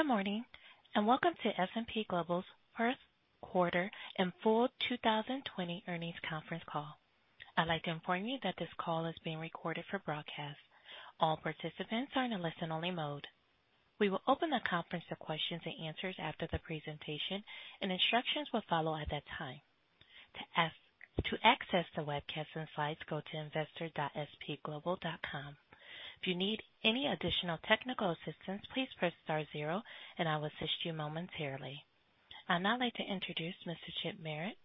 Good morning, and welcome to S&P Global's first quarter and full 2020 earnings conference call. I'd like to inform you that this call is being recorded for broadcast. All participants are in a listen-only mode. We will open the conference to questions and answers after the presentation, and instructions will follow at that time. To access the webcast and slides, go to investor.spglobal.com. If you need any additional technical assistance, please press star zero and I will assist you momentarily. I'd now like to introduce Mr. Chip Merritt,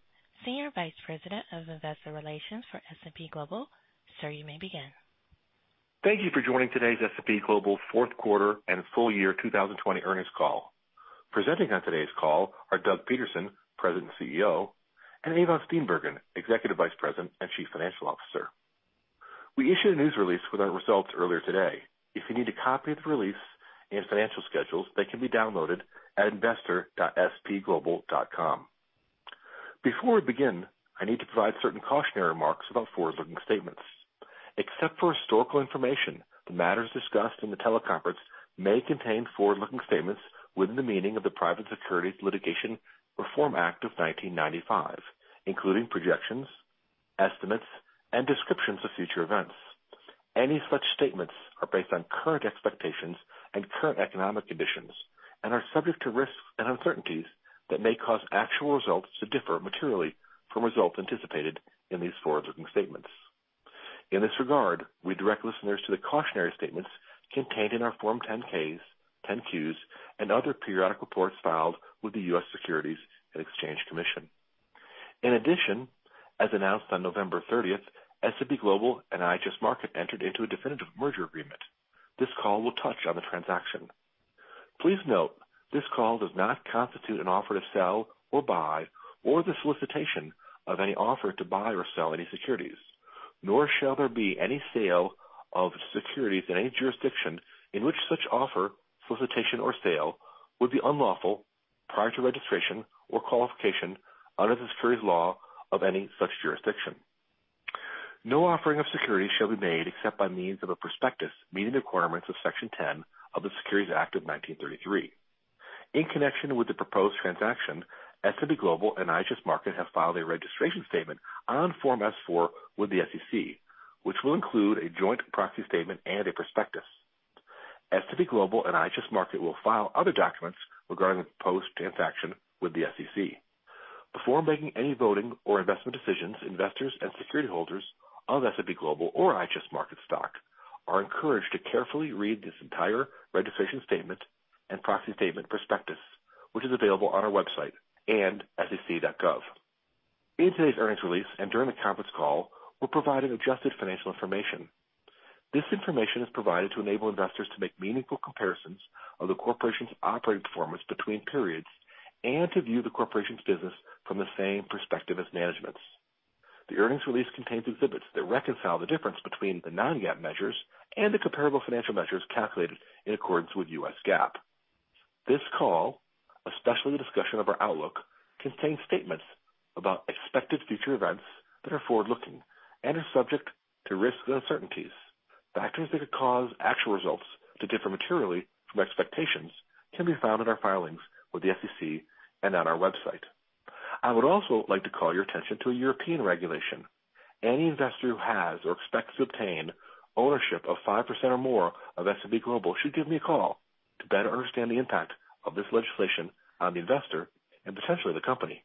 Senior Vice President of Investor Relations for S&P Global. Sir, you may begin. Thank you for joining today's S&P Global fourth quarter and full year 2020 earnings call. Presenting on today's call are Doug Peterson, President, CEO, and Ewout Steenbergen, Executive Vice President and Chief Financial Officer. We issued a news release with our results earlier today. If you need a copy of the release and financial schedules, they can be downloaded at investor.spglobal.com. Before we begin, I need to provide certain cautionary remarks about forward-looking statements. Except for historical information, the matters discussed in the teleconference may contain forward-looking statements within the meaning of the Private Securities Litigation Reform Act of 1995, including projections, estimates, and descriptions of future events. Any such statements are based on current expectations and current economic conditions and are subject to risks and uncertainties that may cause actual results to differ materially from results anticipated in these forward-looking statements. In this regard, we direct listeners to the cautionary statements contained in our Form 10-Ks, 10-Qs, and other periodic reports filed with the U.S. Securities and Exchange Commission. In addition, as announced on November 30th, S&P Global and IHS Markit entered into a definitive merger agreement. This call will touch on the transaction. Please note, this call does not constitute an offer to sell or buy, or the solicitation of any offer to buy or sell any securities, nor shall there be any sale of securities in any jurisdiction in which such offer, solicitation, or sale would be unlawful prior to registration or qualification under the securities law of any such jurisdiction. No offering of securities shall be made except by means of a prospectus, meeting the requirements of Section X of the Securities Act of 1933. In connection with the proposed transaction, S&P Global and IHS Markit have filed a registration statement on Form S-4 with the SEC, which will include a joint proxy statement and a prospectus. S&P Global and IHS Markit will file other documents regarding the proposed transaction with the SEC. Before making any voting or investment decisions, investors and security holders of S&P Global or IHS Markit stock are encouraged to carefully read this entire registration statement and proxy statement prospectus, which is available on our website and sec.gov. In today's earnings release and during the conference call, we'll provide an adjusted financial information. This information is provided to enable investors to make meaningful comparisons of the corporation's operating performance between periods and to view the corporation's business from the same perspective as management's. The earnings release contains exhibits that reconcile the difference between the non-GAAP measures and the comparable financial measures calculated in accordance with U.S. GAAP. This call, especially the discussion of our outlook, contains statements about expected future events that are forward-looking and are subject to risks and uncertainties. Factors that could cause actual results to differ materially from expectations can be found in our filings with the SEC and on our website. I would also like to call your attention to a European regulation. Any investor who has or expects to obtain ownership of 5% or more of S&P Global should give me a call to better understand the impact of this legislation on the investor and potentially the company.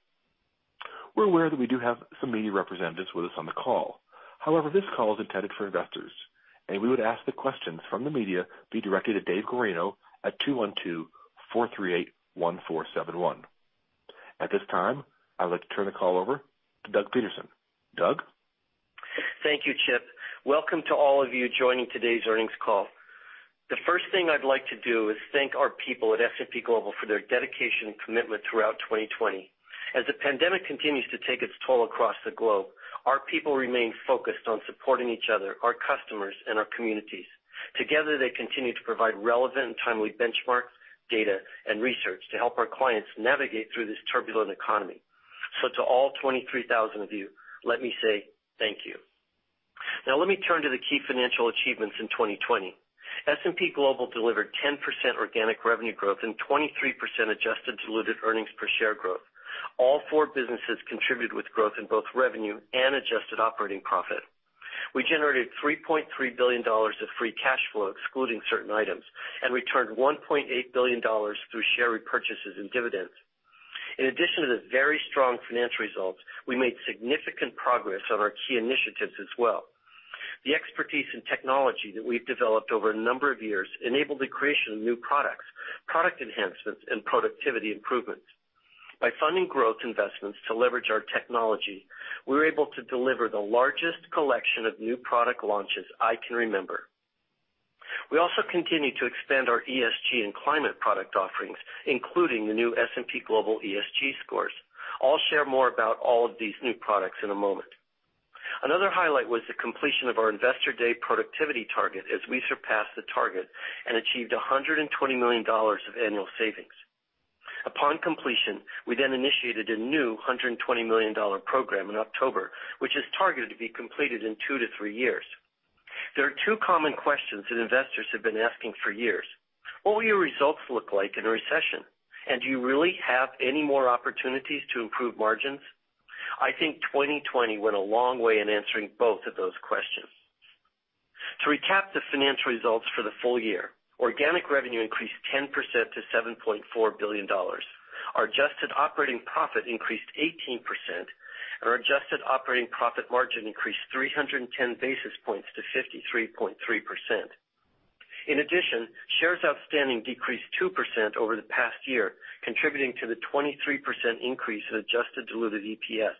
We're aware that we do have some media representatives with us on the call. This call is intended for investors, we would ask the questions from the media be directed to Dave Guarino at 212-438-1471. At this time, I would like to turn the call over to Doug Peterson. Doug? Thank you, Chip. Welcome to all of you joining today's earnings call. The first thing I'd like to do is thank our people at S&P Global for their dedication and commitment throughout 2020. As the pandemic continues to take its toll across the globe, our people remain focused on supporting each other, our customers, and our communities. Together, they continue to provide relevant and timely benchmarks, data, and research to help our clients navigate through this turbulent economy. To all 23,000 of you, let me say thank you. Now let me turn to the key financial achievements in 2020. S&P Global delivered 10% organic revenue growth and 23% adjusted diluted earnings per share growth. All four businesses contributed with growth in both revenue and adjusted operating profit. We generated $3.3 billion of free cash flow, excluding certain items, and returned $1.8 billion through share repurchases and dividends. In addition to the very strong financial results, we made significant progress on our key initiatives as well. The expertise in technology that we've developed over a number of years enabled the creation of new products, product enhancements, and productivity improvements. By funding growth investments to leverage our technology, we were able to deliver the largest collection of new product launches I can remember. We also continue to expand our ESG and climate product offerings, including the new S&P Global ESG Scores. I'll share more about all of these new products in a moment. Another highlight was the completion of our Investor Day productivity target as we surpassed the target and achieved $120 million of annual savings. Upon completion, we initiated a new $120 million program in October, which is targeted to be completed in two to three years. There are two common questions that investors have been asking for years. What will your results look like in a recession? Do you really have any more opportunities to improve margins? I think 2020 went a long way in answering both of those questions. To recap the financial results for the full year, organic revenue increased 10% to $7.4 billion. Our adjusted operating profit increased 18%, and our adjusted operating profit margin increased 310 basis points to 53.3%. In addition, shares outstanding decreased 2% over the past year, contributing to the 23% increase in adjusted diluted EPS.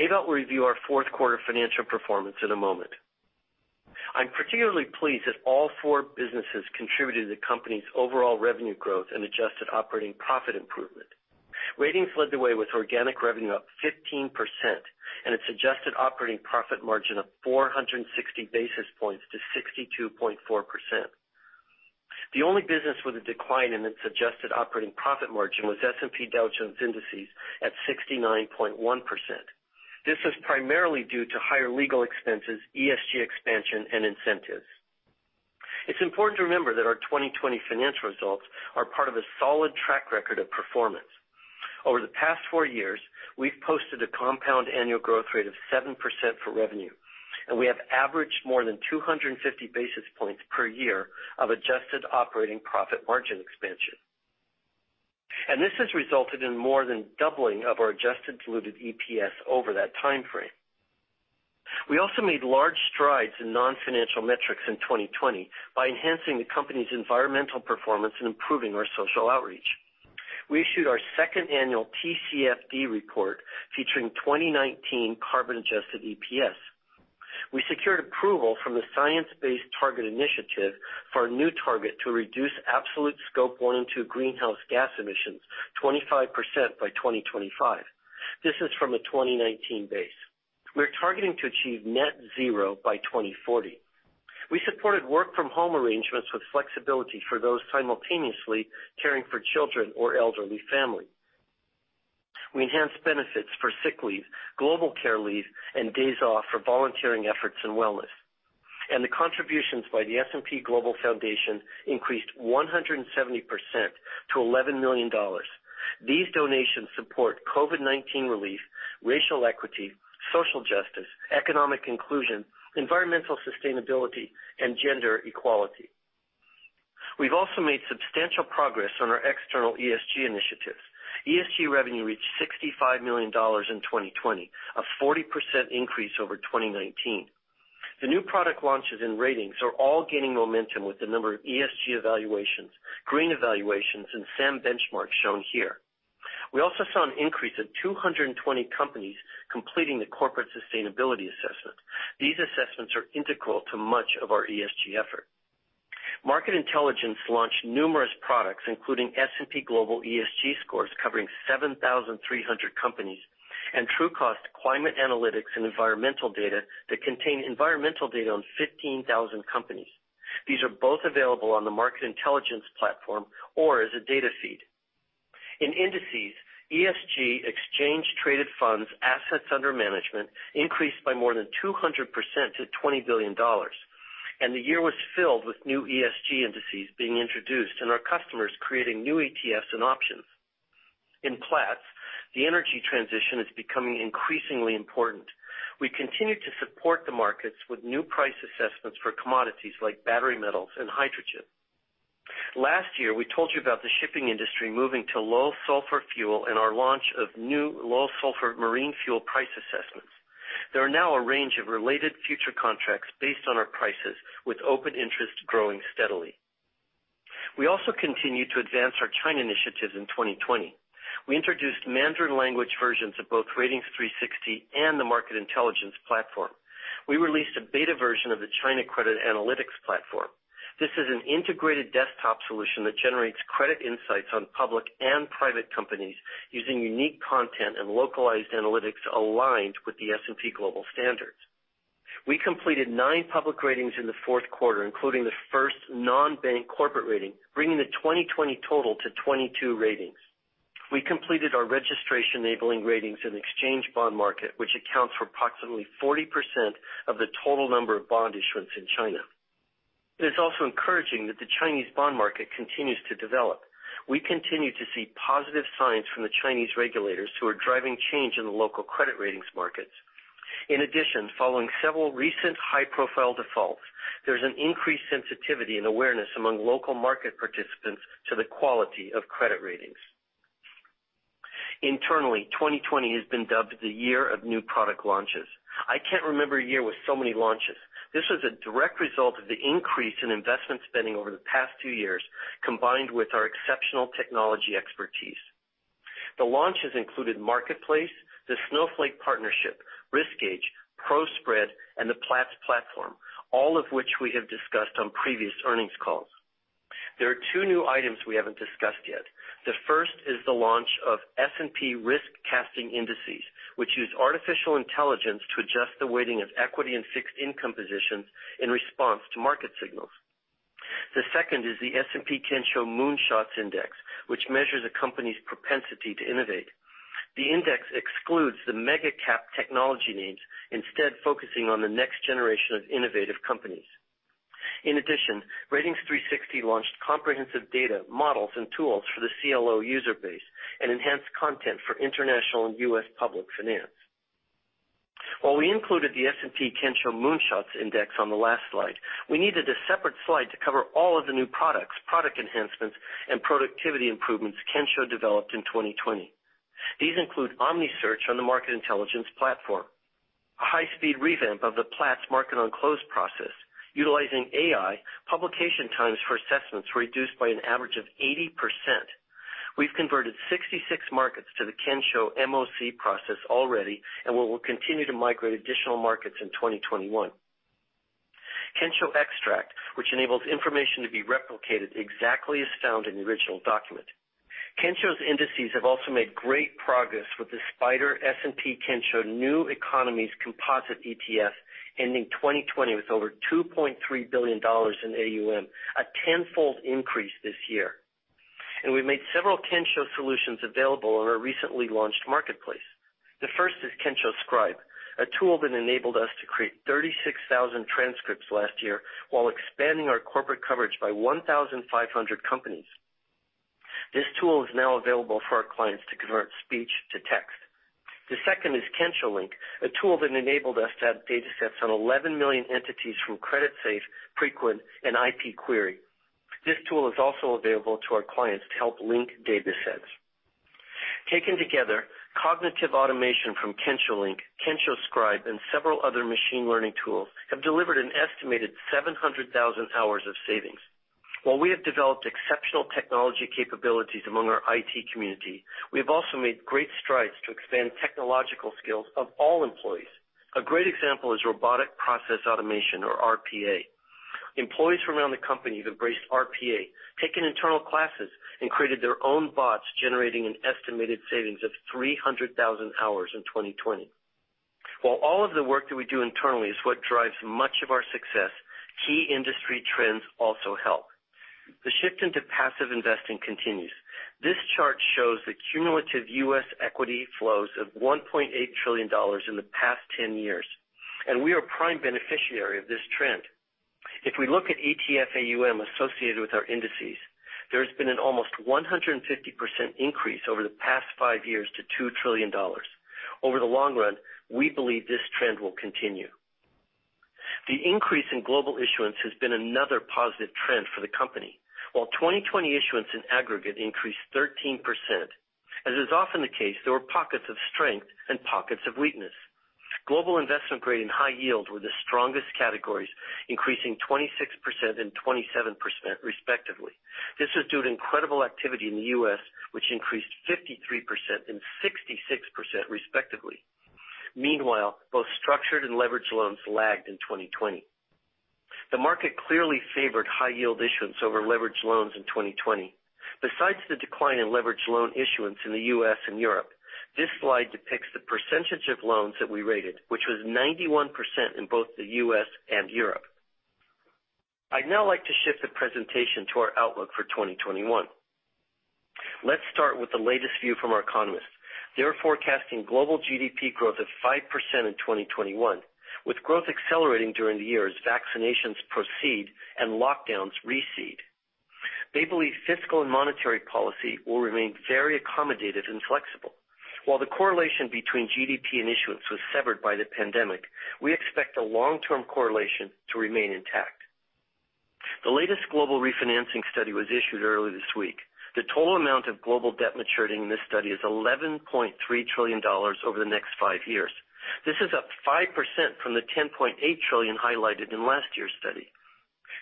Ewout will review our fourth quarter financial performance in a moment. I'm particularly pleased that all four businesses contributed to the company's overall revenue growth and adjusted operating profit improvement. Ratings led the way with organic revenue up 15% and its adjusted operating profit margin of 460 basis points to 62.4%. The only business with a decline in its adjusted operating profit margin was S&P Dow Jones Indices at 69.1%. This was primarily due to higher legal expenses, ESG expansion, and incentives. It's important to remember that our 2020 financial results are part of a solid track record of performance. Over the past four years, we've posted a compound annual growth rate of 7% for revenue, and we have averaged more than 250 basis points per year of adjusted operating profit margin expansion. This has resulted in more than doubling of our adjusted diluted EPS over that timeframe. We also made large strides in non-financial metrics in 2020 by enhancing the company's environmental performance and improving our social outreach. We issued our second annual TCFD report featuring 2019 carbon-adjusted EPS. We secured approval from the Science Based Targets initiative for a new target to reduce absolute Scope 1 and 2 greenhouse gas emissions 25% by 2025. This is from a 2019 base. We're targeting to achieve net zero by 2040. We supported work-from-home arrangements with flexibility for those simultaneously caring for children or elderly family. We enhanced benefits for sick leave, global care leave, and days off for volunteering efforts and wellness. The contributions by the S&P Global Foundation increased 170% to $11 million. These donations support COVID-19 relief, racial equity, social justice, economic inclusion, environmental sustainability, and gender equality. We've also made substantial progress on our external ESG initiatives. ESG revenue reached $65 million in 2020, a 40% increase over 2019. The new product launches and ratings are all gaining momentum with the number of ESG evaluations, green evaluations, and SAM benchmarks shown here. We also saw an increase of 220 companies completing the corporate sustainability assessment. These assessments are integral to much of our ESG effort. Market Intelligence launched numerous products, including S&P Global ESG Scores covering 7,300 companies, and Trucost climate analytics and environmental data that contain environmental data on 15,000 companies. These are both available on the Market Intelligence platform or as a data feed. In Indices, ESG exchange traded funds assets under management increased by more than 200% to $20 billion. The year was filled with new ESG indices being introduced and our customers creating new ETFs and options. In Platts, the energy transition is becoming increasingly important. We continue to support the markets with new price assessments for commodities like battery metals and hydrogen. Last year, we told you about the shipping industry moving to low sulfur fuel and our launch of new low sulfur marine fuel price assessments. There are now a range of related future contracts based on our prices with open interest growing steadily. We also continued to advance our China initiatives in 2020. We introduced Mandarin language versions of both Ratings 360 and the Market Intelligence platform. We released a beta version of the China Credit Analytics platform. This is an integrated desktop solution that generates credit insights on public and private companies using unique content and localized analytics aligned with the S&P Global standards. We completed nine public ratings in the fourth quarter, including the first non-bank corporate rating, bringing the 2020 total to 22 ratings. We completed our registration enabling ratings in the exchange bond market, which accounts for approximately 40% of the total number of bond issuance in China. It is also encouraging that the Chinese bond market continues to develop. We continue to see positive signs from the Chinese regulators who are driving change in the local credit ratings markets. In addition, following several recent high-profile defaults, there's an increased sensitivity and awareness among local market participants to the quality of credit ratings. Internally, 2020 has been dubbed the year of new product launches. I can't remember a year with so many launches. This was a direct result of the increase in investment spending over the past two years, combined with our exceptional technology expertise. The launches included Marketplace, the Snowflake partnership, RiskGauge, Pro Spread, and the Platts platform, all of which we have discussed on previous earnings calls. There are two new items we haven't discussed yet. The first is the launch of S&P Riskcasting Indices, which use artificial intelligence to adjust the weighting of equity and fixed income positions in response to market signals. The second is the S&P Kensho Moonshots Index, which measures a company's propensity to innovate. The index excludes the mega cap technology names, instead focusing on the next generation of innovative companies. In addition, Ratings 360 launched comprehensive data, models, and tools for the CLO user base, and enhanced content for international and U.S. public finance. While we included the S&P Kensho Moonshots Index on the last slide, we needed a separate slide to cover all of the new products, product enhancements, and productivity improvements Kensho developed in 2020. These include OmniSearch on the Market Intelligence platform. A high-speed revamp of the Platts market on closed process utilizing AI. Publication times for assessments were reduced by an average of 80%. We've converted 66 markets to the Kensho MOC process already, and we will continue to migrate additional markets in 2021. Kensho Extract, which enables information to be replicated exactly as found in the original document. Kensho's indices have also made great progress with the SPDR S&P Kensho New Economies Composite ETF ending 2020 with over $2.3 billion in AUM, a 10-fold increase this year. We've made several Kensho solutions available on our recently launched Marketplace. The first is Kensho Scribe, a tool that enabled us to create 36,000 transcripts last year while expanding our corporate coverage by 1,500 companies. This tool is now available for our clients to convert speech to text. The second is Kensho Link, a tool that enabled us to have datasets on 11 million entities from Creditsafe, Frequent, and IPqwery. This tool is also available to our clients to help link datasets. Taken together, cognitive automation from Kensho Link, Kensho Scribe, and several other machine learning tools have delivered an estimated 700,000 hours of savings. While we have developed exceptional technology capabilities among our IT community, we have also made great strides to expand technological skills of all employees. A great example is robotic process automation or RPA. Employees from around the company have embraced RPA, taken internal classes, and created their own bots, generating an estimated savings of 300,000 hours in 2020. While all of the work that we do internally is what drives much of our success, key industry trends also help. The shift into passive investing continues. This chart shows the cumulative U.S. equity flows of $1.8 trillion in the past 10 years, and we are a prime beneficiary of this trend. If we look at ETF AUM associated with our indices, there has been an almost 150% increase over the past five years to $2 trillion. Over the long run, we believe this trend will continue. The increase in global issuance has been another positive trend for the company. While 2020 issuance in aggregate increased 13%, as is often the case, there were pockets of strength and pockets of weakness. Global investment grade and high yield were the strongest categories, increasing 26% and 27% respectively. This was due to incredible activity in the U.S., which increased 53% and 66% respectively. Meanwhile, both structured and leveraged loans lagged in 2020. The market clearly favored high yield issuance over leveraged loans in 2020. Besides the decline in leveraged loan issuance in the U.S. and Europe, this slide depicts the percentage of loans that we rated, which was 91% in both the U.S. and Europe. I would now like to shift the presentation to our outlook for 2021. Let us start with the latest view from our economists. They are forecasting global GDP growth of 5% in 2021, with growth accelerating during the year as vaccinations proceed and lockdowns recede. They believe fiscal and monetary policy will remain very accommodative and flexible. While the correlation between GDP and issuance was severed by the pandemic, we expect a long-term correlation to remain intact. The latest global refinancing study was issued earlier this week. The total amount of global debt maturing in this study is $11.3 trillion over the next five years. This is up 5% from the $10.8 trillion highlighted in last year's study.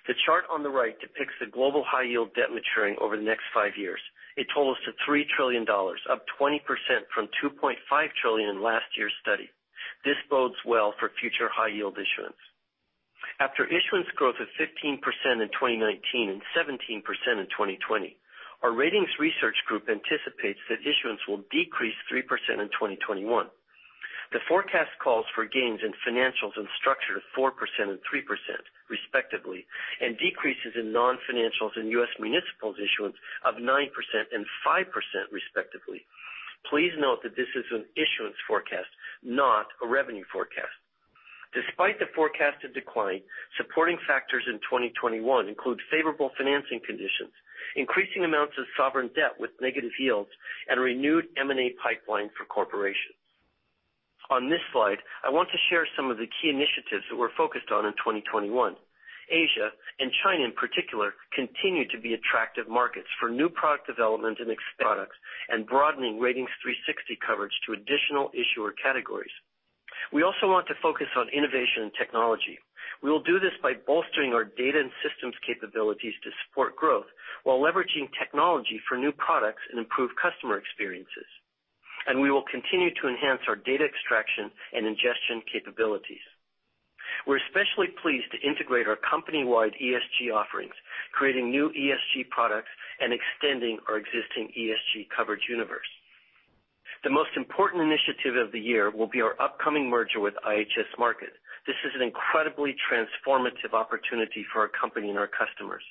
The chart on the right depicts the global high yield debt maturing over the next five years. It totals to $3 trillion, up 20% from $2.5 trillion in last year's study. This bodes well for future high yield issuance. After issuance growth of 15% in 2019 and 17% in 2020, our ratings research group anticipates that issuance will decrease 3% in 2021. The forecast calls for gains in financials and structured 4% and 3% respectively, and decreases in non-financials and US municipals issuance of 9% and 5% respectively. Please note that this is an issuance forecast, not a revenue forecast. Despite the forecasted decline, supporting factors in 2021 include favorable financing conditions, increasing amounts of sovereign debt with negative yields, and a renewed M&A pipeline for corporations. On this slide, I want to share some of the key initiatives that we're focused on in 2021. Asia and China in particular, continue to be attractive markets for new product development and expanded products and broadening Ratings 360 coverage to additional issuer categories. We also want to focus on innovation and technology. We will do this by bolstering our data and systems capabilities to support growth while leveraging technology for new products and improved customer experiences. We will continue to enhance our data extraction and ingestion capabilities. We're especially pleased to integrate our company-wide ESG offerings, creating new ESG products, and extending our existing ESG coverage universe. The most important initiative of the year will be our upcoming merger with IHS Markit. This is an incredibly transformative opportunity for our company and our customers.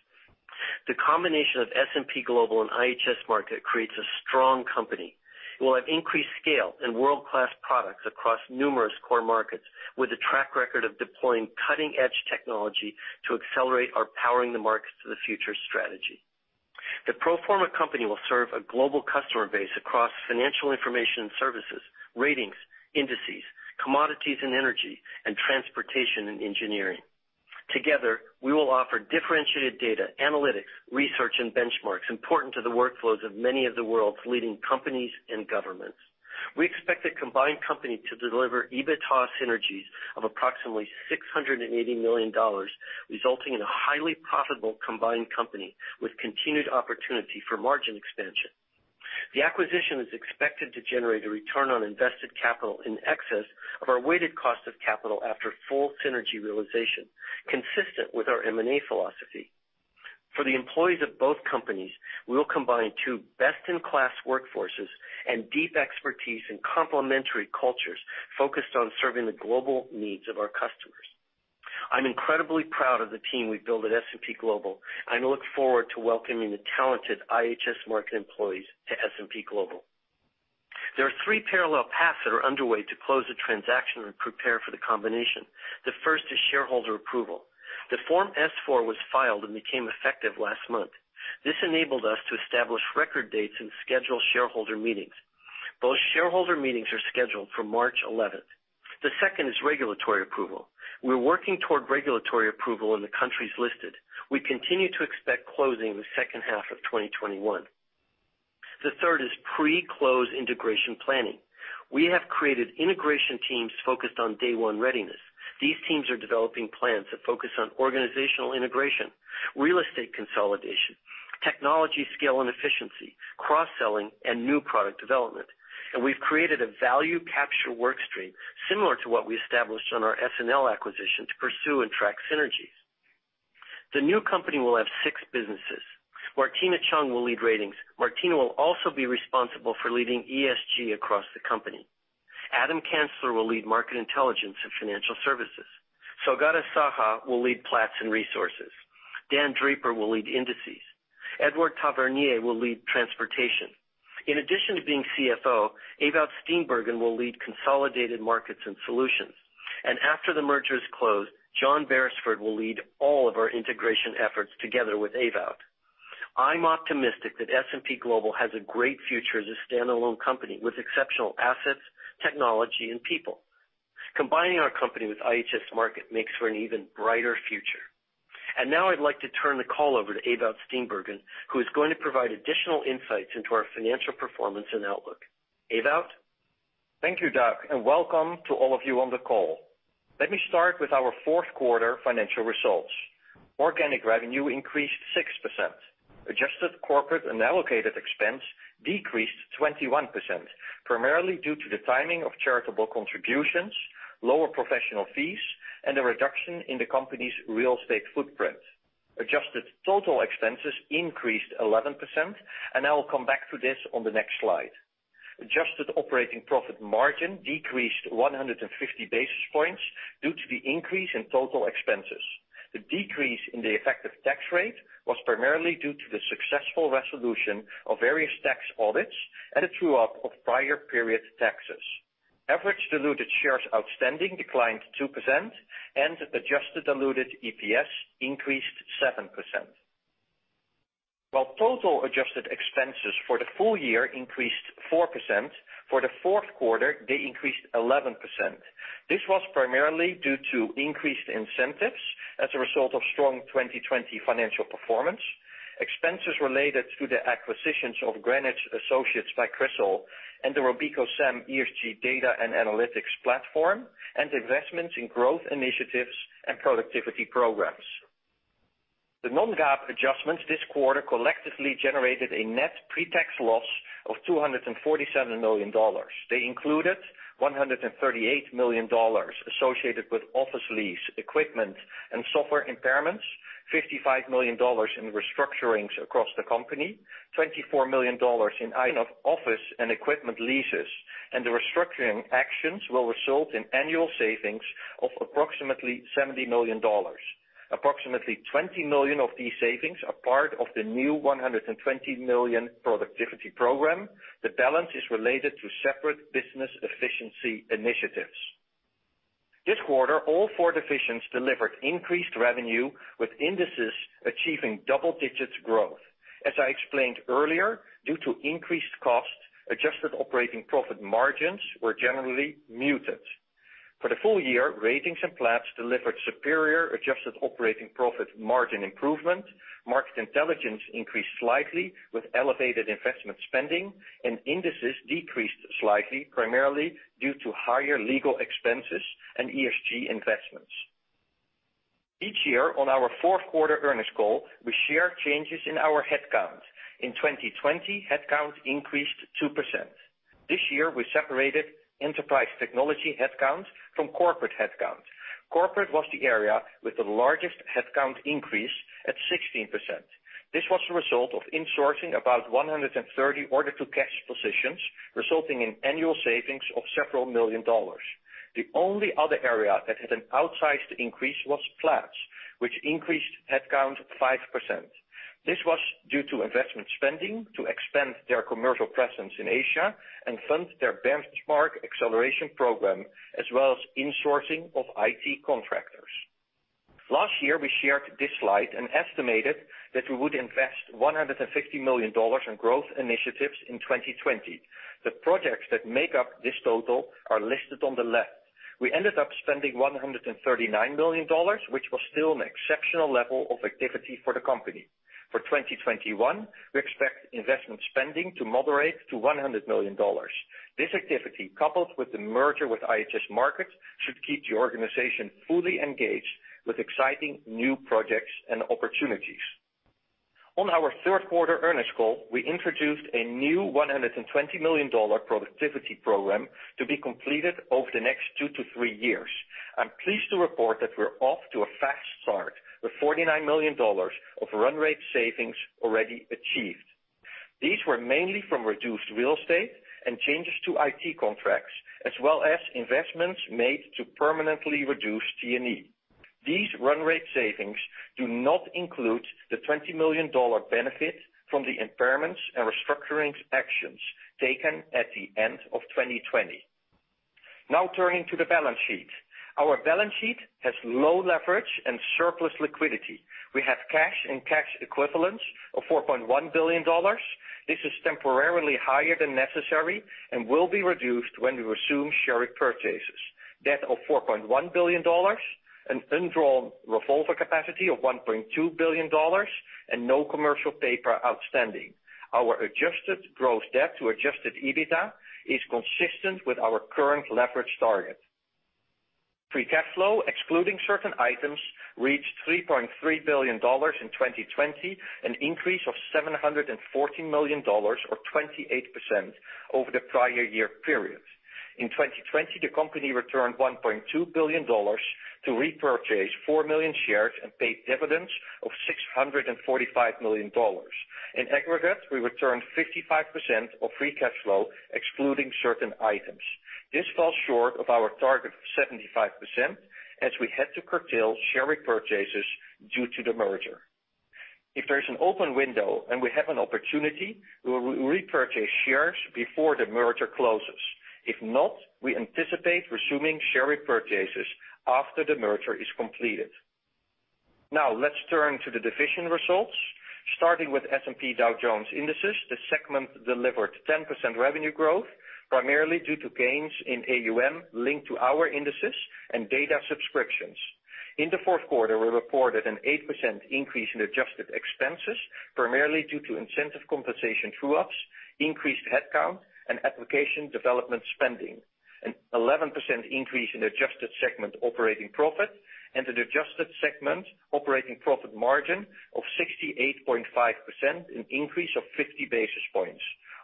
The combination of S&P Global and IHS Markit creates a strong company. We'll have increased scale and world-class products across numerous core markets, with a track record of deploying cutting-edge technology to accelerate our Powering the Markets of the Future strategy. The pro forma company will serve a global customer base across financial information and services, ratings, indices, commodities and energy, and transportation and engineering. Together, we will offer differentiated data, analytics, research, and benchmarks important to the workflows of many of the world's leading companies and governments. We expect the combined company to deliver EBITDA synergies of approximately $680 million, resulting in a highly profitable combined company with continued opportunity for margin expansion. The acquisition is expected to generate a return on invested capital in excess of our weighted cost of capital after full synergy realization, consistent with our M&A philosophy. For the employees of both companies, we will combine two best-in-class workforces and deep expertise in complementary cultures focused on serving the global needs of our customers. I'm incredibly proud of the team we've built at S&P Global. I look forward to welcoming the talented IHS Markit employees to S&P Global. There are three parallel paths that are underway to close the transaction and prepare for the combination. The first is shareholder approval. The Form S-4 was filed and became effective last month. This enabled us to establish record dates and schedule shareholder meetings. Both shareholder meetings are scheduled for March 11th. The second is regulatory approval. We're working toward regulatory approval in the countries listed. We continue to expect closing the second half of 2021. The third is pre-close integration planning. We have created integration teams focused on day one readiness. These teams are developing plans that focus on organizational integration, real estate consolidation, technology scale and efficiency, cross-selling, and new product development. We've created a value capture work stream similar to what we established on our SNL acquisition to pursue and track synergies. The new company will have six businesses. Martina Cheung will lead Ratings. Martina will also be responsible for leading ESG across the company. Adam Kansler will lead Market Intelligence and Financial Services. Saugata Saha will lead Platts and Resources. Dan Draper will lead Indices. Edouard Tavernier will lead Transportation. In addition to being CFO, Ewout Steenbergen will lead Consolidated Markets & Solutions. After the merger is closed, John Berisford will lead all of our integration efforts together with Ewout. I'm optimistic that S&P Global has a great future as a standalone company with exceptional assets, technology, and people. Combining our company with IHS Markit makes for an even brighter future. Now I'd like to turn the call over to Ewout Steenbergen, who is going to provide additional insights into our financial performance and outlook. Ewout? Thank you, Doug, and welcome to all of you on the call. Let me start with our fourth quarter financial results. Organic revenue increased 6%. Adjusted corporate and allocated expense decreased 21%, primarily due to the timing of charitable contributions, lower professional fees, and a reduction in the company's real estate footprint. Adjusted total expenses increased 11%. I will come back to this on the next slide. Adjusted operating profit margin decreased 150 basis points due to the increase in total expenses. The decrease in the effective tax rate was primarily due to the successful resolution of various tax audits and a true-up of prior period taxes. Average diluted shares outstanding declined 2%. Adjusted diluted EPS increased 7%. While total adjusted expenses for the full year increased 4%, for the fourth quarter, they increased 11%. This was primarily due to increased incentives as a result of strong 2020 financial performance, expenses related to the acquisitions of Greenwich Associates by CRISIL, and the RobecoSAM ESG data and analytics platform, and investments in growth initiatives and productivity programs. The non-GAAP adjustments this quarter collectively generated a net pre-tax loss of $247 million. They included $138 million associated with office lease, equipment, and software impairments, $55 million in restructurings across the company, $24 million in item of office and equipment leases. The restructuring actions will result in annual savings of approximately $70 million. Approximately $20 million of these savings are part of the new $120 million productivity program. The balance is related to separate business efficiency initiatives. This quarter, all four divisions delivered increased revenue, with Indices achieving double-digit growth. As I explained earlier, due to increased costs, adjusted operating profit margins were generally muted. For the full year, Ratings and Platts delivered superior adjusted operating profit margin improvement, Market Intelligence increased slightly with elevated investment spending, and Indices decreased slightly, primarily due to higher legal expenses and ESG investments. Each year on our fourth quarter earnings call, we share changes in our headcount. In 2020, headcount increased 2%. This year, we separated enterprise technology headcount from corporate headcount. Corporate was the area with the largest headcount increase at 16%. This was the result of insourcing about 130 order-to-cash positions, resulting in annual savings of several million dollars. The only other area that had an outsized increase was Platts, which increased headcount 5%. This was due to investment spending to expand their commercial presence in Asia and fund their benchmark acceleration program, as well as insourcing of IT contractors. Last year, we shared this slide and estimated that we would invest $150 million in growth initiatives in 2020. The projects that make up this total are listed on the left. We ended up spending $139 million, which was still an exceptional level of activity for the company. For 2021, we expect investment spending to moderate to $100 million. This activity, coupled with the merger with IHS Markit, should keep the organization fully engaged with exciting new projects and opportunities. On our third quarter earnings call, we introduced a new $120 million productivity program to be completed over the next two to three years. I'm pleased to report that we're off to a fast start, with $49 million of run rate savings already achieved. These were mainly from reduced real estate and changes to IT contracts, as well as investments made to permanently reduce G&A. These run rate savings do not include the $20 million benefit from the impairments and restructuring actions taken at the end of 2020. Now turning to the balance sheet. Our balance sheet has low leverage and surplus liquidity. We have cash and cash equivalents of $4.1 billion. This is temporarily higher than necessary and will be reduced when we resume share repurchases. Debt of $4.1 billion, an undrawn revolver capacity of $1.2 billion, and no commercial paper outstanding. Our adjusted gross debt to adjusted EBITDA is consistent with our current leverage target. Free cash flow, excluding certain items, reached $3.3 billion in 2020, an increase of $714 million or 28% over the prior year period. In 2020, the company returned $1.2 billion to repurchase four million shares and paid dividends of $645 million. In aggregate, we returned 55% of free cash flow, excluding certain items. This falls short of our target of 75%, as we had to curtail share repurchases due to the merger. If there is an open window and we have an opportunity, we will repurchase shares before the merger closes. If not, we anticipate resuming share repurchases after the merger is completed. Now, let's turn to the division results. Starting with S&P Dow Jones Indices, the segment delivered 10% revenue growth, primarily due to gains in AUM linked to our indices and data subscriptions. In the fourth quarter, we reported an 8% increase in adjusted expenses, primarily due to incentive compensation through-ups, increased headcount, and application development spending. An 11% increase in adjusted segment operating profit and an adjusted segment operating profit margin of 68.5%, an increase of 50 basis points.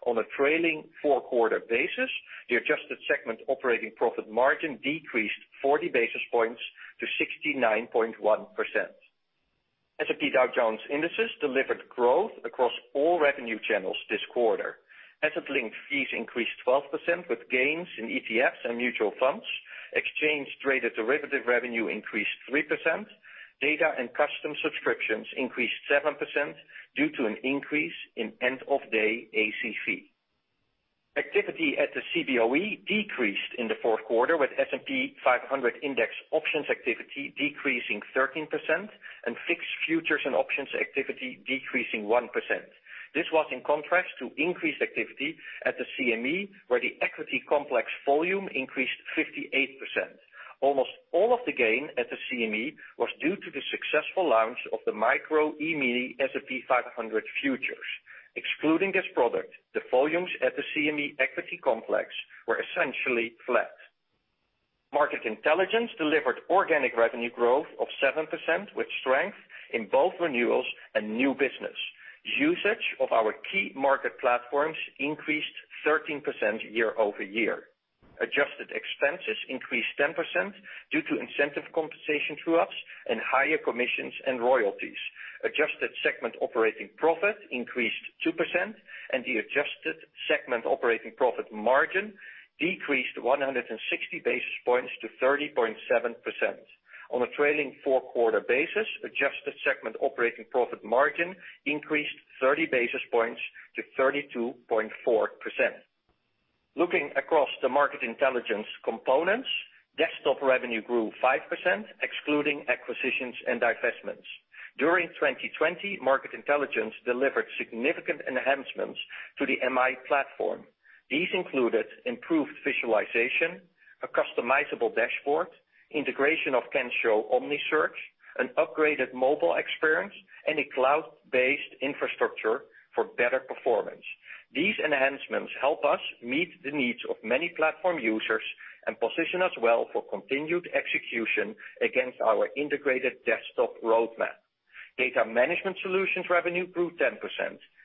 On a trailing four-quarter basis, the adjusted segment operating profit margin decreased 40 basis points to 69.1%. S&P Dow Jones Indices delivered growth across all revenue channels this quarter. Asset-linked fees increased 12% with gains in ETFs and mutual funds. Exchange traded derivative revenue increased 3%. Data and custom subscriptions increased 7% due to an increase in end-of-day ACV. Activity at the Cboe decreased in the fourth quarter with S&P 500 index options activity decreasing 13% and fixed futures and options activity decreasing 1%. This was in contrast to increased activity at the CME, where the equity complex volume increased 58%. Almost all of the gain at the CME was due to the successful launch of the Micro E-Mini S&P 500 futures. Excluding this product, the volumes at the CME equity complex were essentially flat. Market Intelligence delivered organic revenue growth of 7%, with strength in both renewals and new business. Usage of our key market platforms increased 13% year-over-year. Adjusted expenses increased 10% due to incentive compensation through-ups and higher commissions and royalties. Adjusted segment operating profit increased 2%, and the adjusted segment operating profit margin decreased 160 basis points to 30.7%. On a trailing four-quarter basis, adjusted segment operating profit margin increased 30 basis points to 32.4%. Looking across the Market Intelligence components, desktop revenue grew 5%, excluding acquisitions and divestments. During 2020, Market Intelligence delivered significant enhancements to the MI platform. These included improved visualization, a customizable dashboard, integration of Kensho Omnisearch, an upgraded mobile experience, and a cloud-based infrastructure for better performance. These enhancements help us meet the needs of many platform users and position us well for continued execution against our integrated desktop roadmap. Data management solutions revenue grew 10%,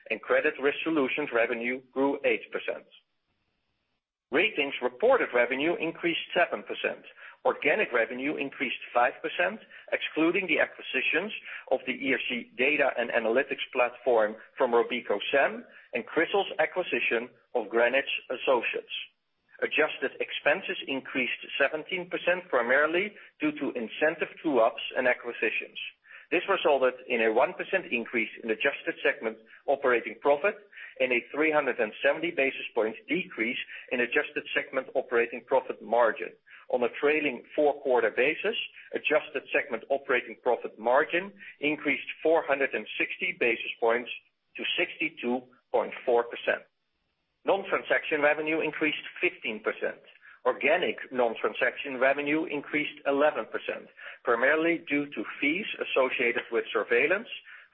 and credit risk solutions revenue grew 8%. Ratings reported revenue increased 7%. Organic revenue increased 5%, excluding the acquisitions of the ESG data and analytics platform from RobecoSAM and CRISIL's acquisition of Greenwich Associates. Adjusted expenses increased 17%, primarily due to incentive true-ups and acquisitions. This resulted in a 1% increase in adjusted segment operating profit and a 370 basis points decrease in adjusted segment operating profit margin. On a trailing four-quarter basis, adjusted segment operating profit margin increased 460 basis points to 62.4%. Non-transaction revenue increased 15%. Organic non-transaction revenue increased 11%, primarily due to fees associated with surveillance,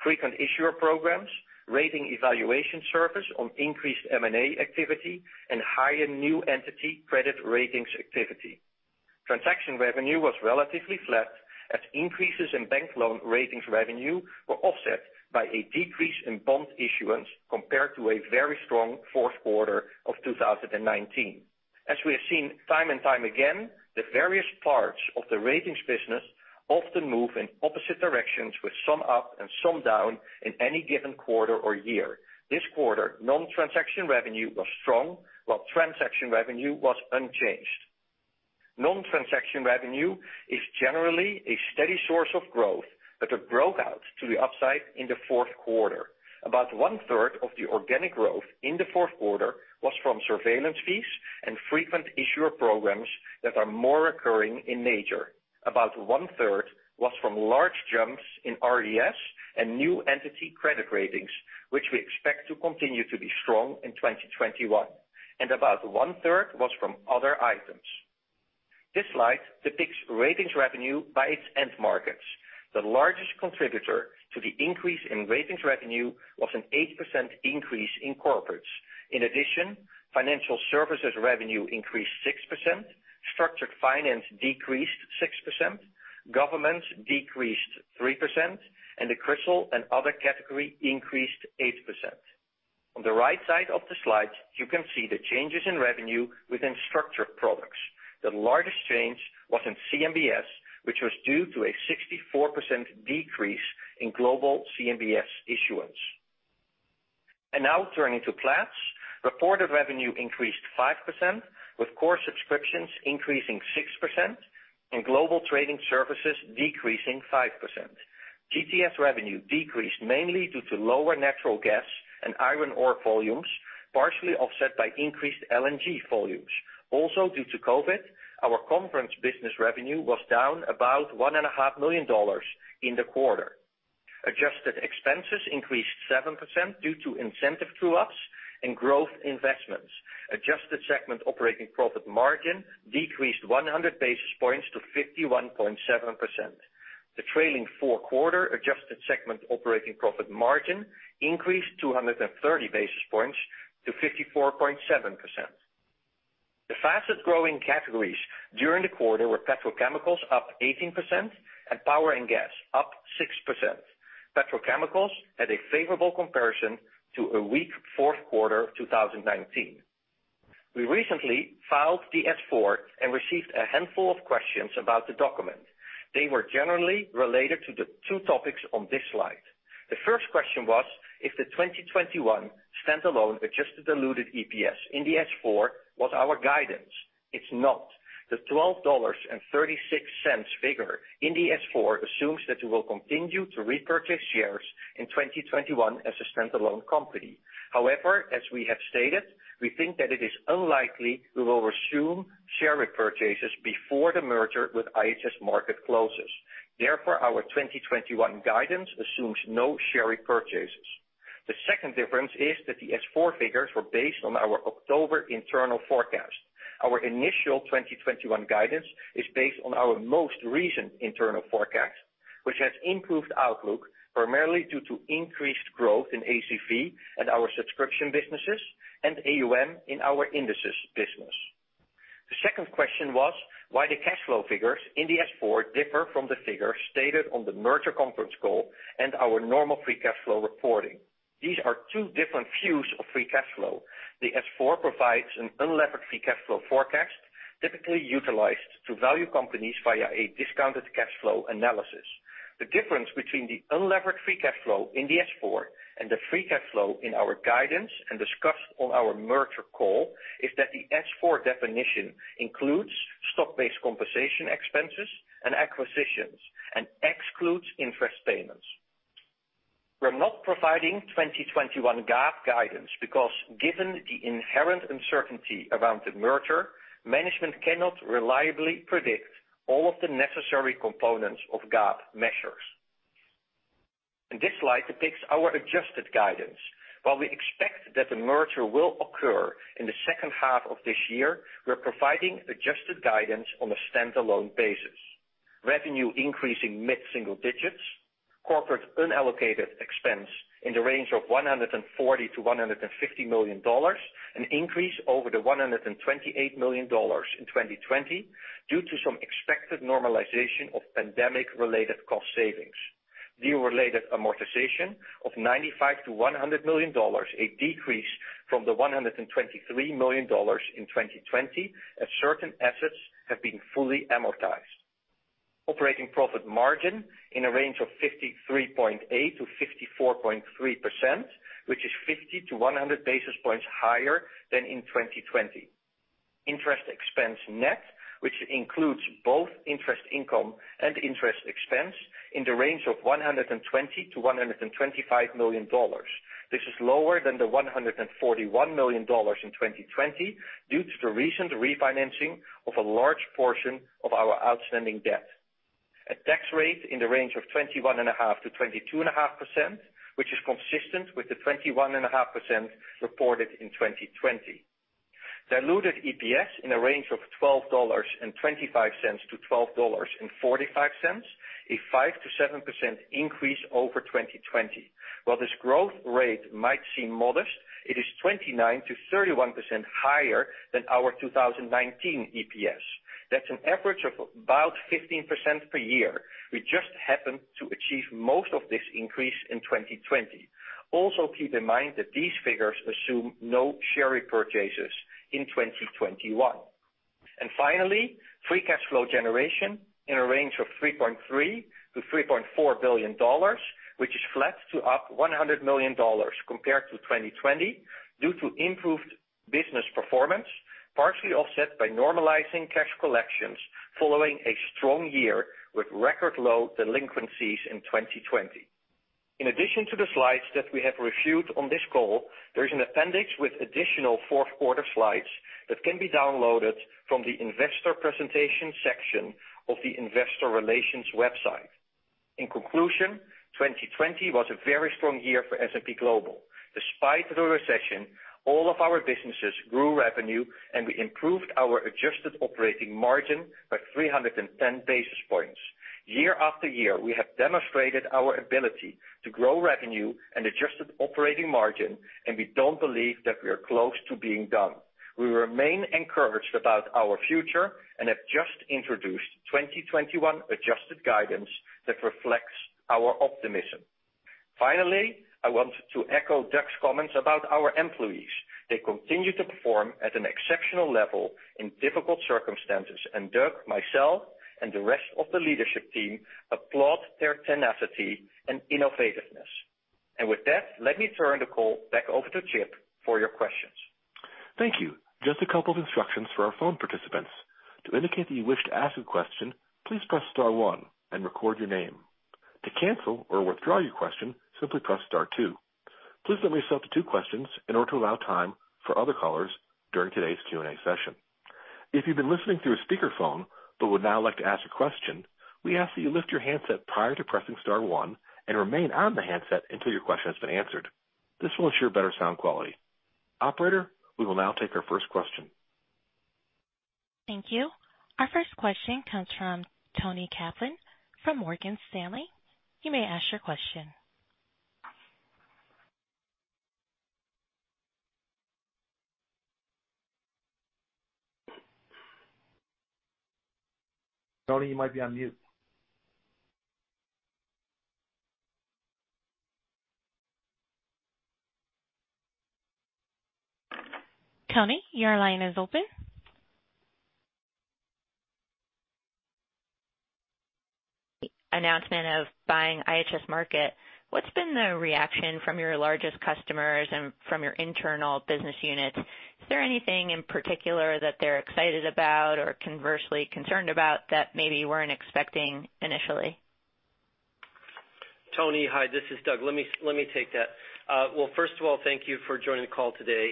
frequent issuer programs, rating evaluation service on increased M&A activity, and higher new entity credit ratings activity. Transaction revenue was relatively flat as increases in bank loan ratings revenue were offset by a decrease in bond issuance compared to a very strong fourth quarter of 2019. As we have seen time and time again, the various parts of the ratings business often move in opposite directions with some up and some down in any given quarter or year. This quarter, non-transaction revenue was strong, while transaction revenue was unchanged. Non-transaction revenue is generally a steady source of growth, but it broke out to the upside in the fourth quarter. About one-third of the organic growth in the fourth quarter was from surveillance fees and frequent issuer programs that are more recurring in nature. About one-third was from large jumps in RES and new entity credit ratings, which we expect to continue to be strong in 2021, and about one-third was from other items. This slide depicts ratings revenue by its end markets. The largest contributor to the increase in ratings revenue was an 8% increase in corporates. In addition, financial services revenue increased 6%, structured finance decreased 6%, government decreased 3%, and the CRISIL and other category increased 8%. On the right side of the slide, you can see the changes in revenue within structured products. The largest change was in CMBS, which was due to a 64% decrease in global CMBS issuance. Now turning to Platts. Reported revenue increased 5%, with core subscriptions increasing 6% and global trading services decreasing 5%. GTS revenue decreased mainly due to lower natural gas and iron ore volumes, partially offset by increased LNG volumes. Also, due to COVID, our conference business revenue was down about $1.5 million in the quarter. Adjusted expenses increased 7% due to incentive true-ups and growth investments. Adjusted segment operating profit margin decreased 100 basis points to 51.7%. The trailing four quarter adjusted segment operating profit margin increased 230 basis points to 54.7%. The fastest-growing categories during the quarter were petrochemicals up 18% and power and gas up 6%. Petrochemicals had a favorable comparison to a weak fourth quarter of 2019. We recently filed the S-4 and received a handful of questions about the document. They were generally related to the two topics on this slide. The first question was if the 2021 standalone adjusted diluted EPS in the S-4 was our guidance. It's not. The $12.36 figure in the S-4 assumes that we will continue to repurchase shares in 2021 as a standalone company. As we have stated, we think that it is unlikely we will resume share repurchases before the merger with IHS Markit closes. Our 2021 guidance assumes no share repurchases. The second difference is that the S-4 figures were based on our October internal forecast. Our initial 2021 guidance is based on our most recent internal forecast, which has improved outlook, primarily due to increased growth in ACV and our subscription businesses and AUM in our indices business. The second question was why the cash flow figures in the S-4 differ from the figures stated on the merger conference call and our normal free cash flow reporting. These are two different views of free cash flow. The S-4 provides an unlevered free cash flow forecast, typically utilized to value companies via a discounted cash flow analysis. The difference between the unlevered free cash flow in the S-4 and the free cash flow in our guidance and discussed on our merger call is that the S-4 definition includes stock-based compensation expenses and acquisitions and excludes interest payments. We're not providing 2021 GAAP guidance because, given the inherent uncertainty around the merger, management cannot reliably predict all of the necessary components of GAAP measures. This slide depicts our adjusted guidance. While we expect that the merger will occur in the second half of this year, we're providing adjusted guidance on a standalone basis. Revenue increasing mid-single digits, corporate unallocated expense in the range of $140 million-$150 million, an increase over the $128 million in 2020 due to some expected normalization of pandemic-related cost savings. Deal-related amortization of $95 million-$100 million, a decrease from the $123 million in 2020, as certain assets have been fully amortized. Operating profit margin in a range of 53.8%-54.3%, which is 50-100 basis points higher than in 2020. Interest expense net, which includes both interest income and interest expense, in the range of $120 million-$125 million. This is lower than the $141 million in 2020 due to the recent refinancing of a large portion of our outstanding debt. A tax rate in the range of 21.5%-22.5%, which is consistent with the 21.5% reported in 2020. Diluted EPS in a range of $12.25-$12.45, a 5%-7% increase over 2020. While this growth rate might seem modest, it is 29%-31% higher than our 2019 EPS. That's an average of about 15% per year. We just happened to achieve most of this increase in 2020. Also, keep in mind that these figures assume no share purchases in 2021. Finally, free cash flow generation in a range of $3.3 billion-$3.4 billion, which is flat to up $100 million compared to 2020 due to improved business performance, partially offset by normalizing cash collections following a strong year with record low delinquencies in 2020. In addition to the slides that we have reviewed on this call, there is an appendix with additional fourth quarter slides that can be downloaded from the investor presentation section of the investor relations website. In conclusion, 2020 was a very strong year for S&P Global. Despite the recession, all of our businesses grew revenue, and we improved our adjusted operating margin by 310 basis points. Year after year, we have demonstrated our ability to grow revenue and adjusted operating margin, and we don't believe that we are close to being done. We remain encouraged about our future and have just introduced 2021 adjusted guidance that reflects our optimism. Finally, I want to echo Doug's comments about our employees. They continue to perform at an exceptional level in difficult circumstances, and Doug, myself, and the rest of the leadership team applaud their tenacity and innovativeness. With that, let me turn the call back over to Chip for your questions. Thank you. Just a couple of instructions for our phone participants. To indicate that you wish to ask a question, please press star one and record your name. To cancel or withdraw your question, simply press star two. Please limit yourself to two questions in order to allow time for other callers during today's Q&A session. If you've been listening through a speakerphone but would now like to ask a question, we ask that you lift your handset prior to pressing star one and remain on the handset until your question has been answered. This will ensure better sound quality. Operator, we will now take our first question. Thank you. Our first question comes from Toni Kaplan from Morgan Stanley. You may ask your question. Toni, you might be on mute. Toni, your line is open. Announcement of buying IHS Markit, what's been the reaction from your largest customers and from your internal business units? Is there anything in particular that they're excited about or conversely concerned about that maybe you weren't expecting initially? Toni, hi. This is Doug. Let me take that. Well, first of all, thank you for joining the call today.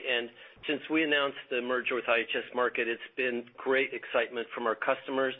Since we announced the merger with IHS Markit, it's been great excitement from our customers.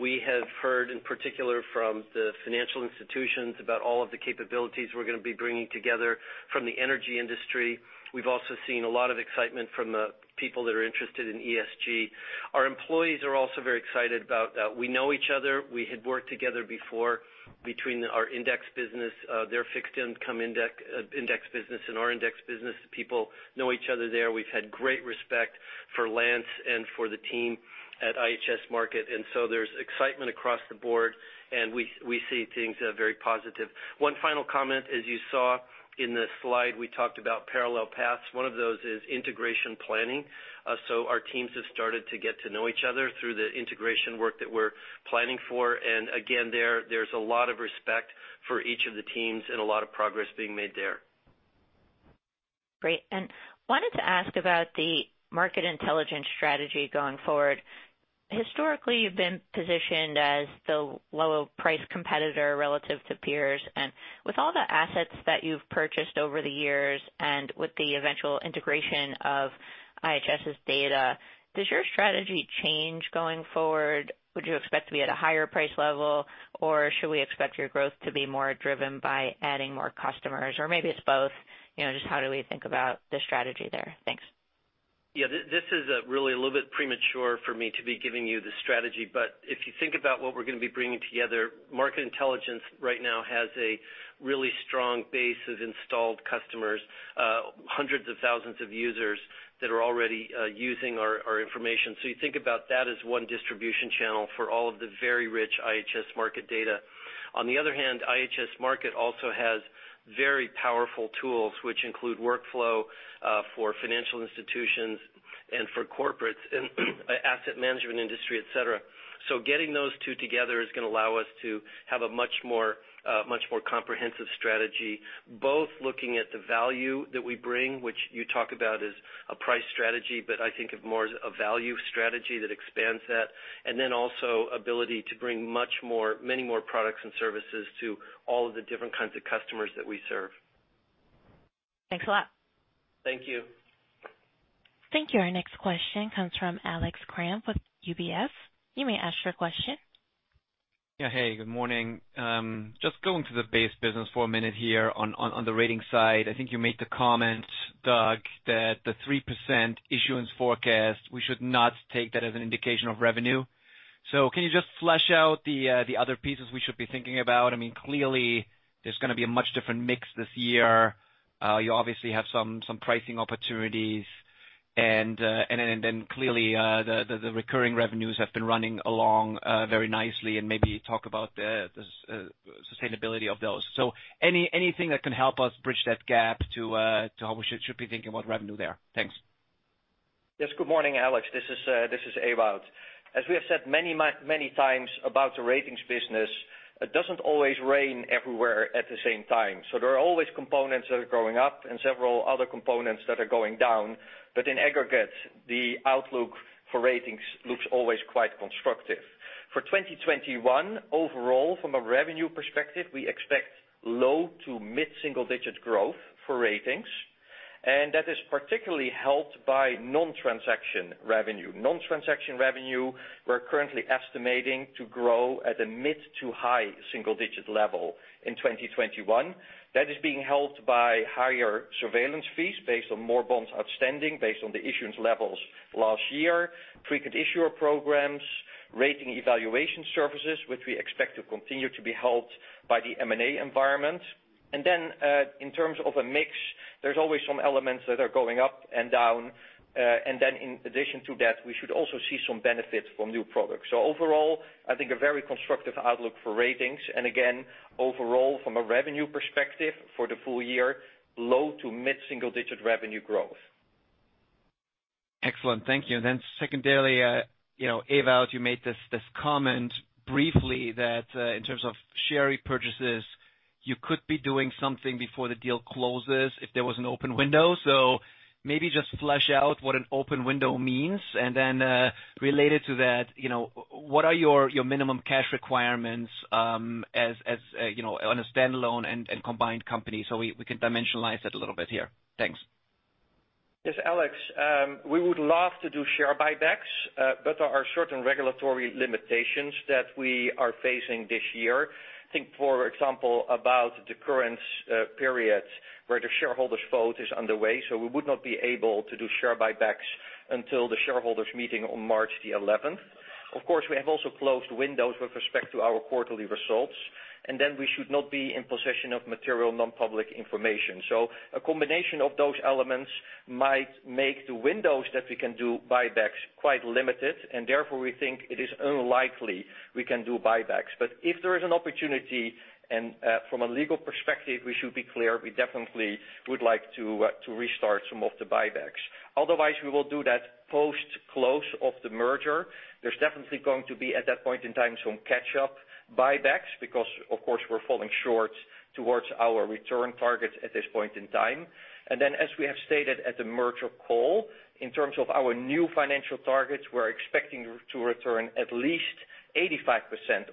We have heard in particular from the financial institutions about all of the capabilities we're going to be bringing together from the energy industry. We've also seen a lot of excitement from the people that are interested in ESG. Our employees are also very excited about that. We know each other. We had worked together before between our index business, their fixed income index business, and our index business. People know each other there. We've had great respect for Lance and for the team at IHS Markit, there's excitement across the board, and we see things very positive. One final comment. As you saw in the slide, we talked about parallel paths. One of those is integration planning. Our teams have started to get to know each other through the integration work that we're planning for. Again, there's a lot of respect for each of the teams and a lot of progress being made there. Great. Wanted to ask about the Market Intelligence strategy going forward. Historically, you've been positioned as the low price competitor relative to peers. With all the assets that you've purchased over the years and with the eventual integration of IHS's data, does your strategy change going forward? Would you expect to be at a higher price level, or should we expect your growth to be more driven by adding more customers? Maybe it's both. Just how do we think about the strategy there? Thanks. Yeah, this is really a little bit premature for me to be giving you the strategy, but if you think about what we're going to be bringing together, Market Intelligence right now has a really strong base of installed customers, hundreds of thousands of users that are already using our information. You think about that as one distribution channel for all of the very rich IHS Markit data. On the other hand, IHS Markit also has very powerful tools, which include workflow for financial institutions and for corporates in asset management industry, et cetera. Getting those two together is going to allow us to have a much more comprehensive strategy, both looking at the value that we bring, which you talk about as a price strategy, but I think of more as a value strategy that expands that. Also ability to bring many more products and services to all of the different kinds of customers that we serve. Thanks a lot. Thank you. Thank you. Our next question comes from Alex Kramm with UBS. You may ask your question. Hey, good morning. Just going to the base business for a minute here on the ratings side. I think you made the comment, Doug, that the 3% issuance forecast, we should not take that as an indication of revenue. Can you just flesh out the other pieces we should be thinking about? Clearly, there's going to be a much different mix this year. You obviously have some pricing opportunities and then clearly, the recurring revenues have been running along very nicely and maybe talk about the sustainability of those. Anything that can help us bridge that gap to how we should be thinking about revenue there. Thanks. Yes. Good morning, Alex. This is Ewout. As we have said many times about the ratings business, it doesn't always rain everywhere at the same time. There are always components that are going up and several other components that are going down. In aggregate, the outlook for ratings looks always quite constructive. For 2021, overall, from a revenue perspective, we expect low to mid-single-digit growth for ratings, and that is particularly helped by non-transaction revenue. Non-transaction revenue, we're currently estimating to grow at a mid to high single-digit level in 2021. That is being helped by higher surveillance fees based on more bonds outstanding, based on the issuance levels last year, frequent issuer programs, rating evaluation services, which we expect to continue to be helped by the M&A environment. In terms of a mix, there's always some elements that are going up and down. In addition to that, we should also see some benefits from new products. Overall, I think a very constructive outlook for ratings. Again, overall, from a revenue perspective for the full year, low to mid-single-digit revenue growth. Excellent. Thank you. Secondarily, Ewout, you made this comment briefly that, in terms of share repurchases, you could be doing something before the deal closes if there was an open window. Maybe just flesh out what an open window means. Related to that, what are your minimum cash requirements on a standalone and combined company so we can dimensionalize that a little bit here. Thanks. Yes, Alex. We would love to do share buybacks. There are certain regulatory limitations that we are facing this year. Think, for example, about the current period where the shareholders vote is underway. We would not be able to do share buybacks until the shareholders meeting on March the 11th. Of course, we have also closed windows with respect to our quarterly results. We should not be in possession of material non-public information. A combination of those elements might make the windows that we can do buybacks quite limited. We think it is unlikely we can do buybacks. If there is an opportunity and from a legal perspective, we should be clear, we definitely would like to restart some of the buybacks. Otherwise, we will do that post-close of the merger. There's definitely going to be, at that point in time, some catch-up buybacks because, of course, we're falling short towards our return targets at this point in time. As we have stated at the merger call, in terms of our new financial targets, we're expecting to return at least 85%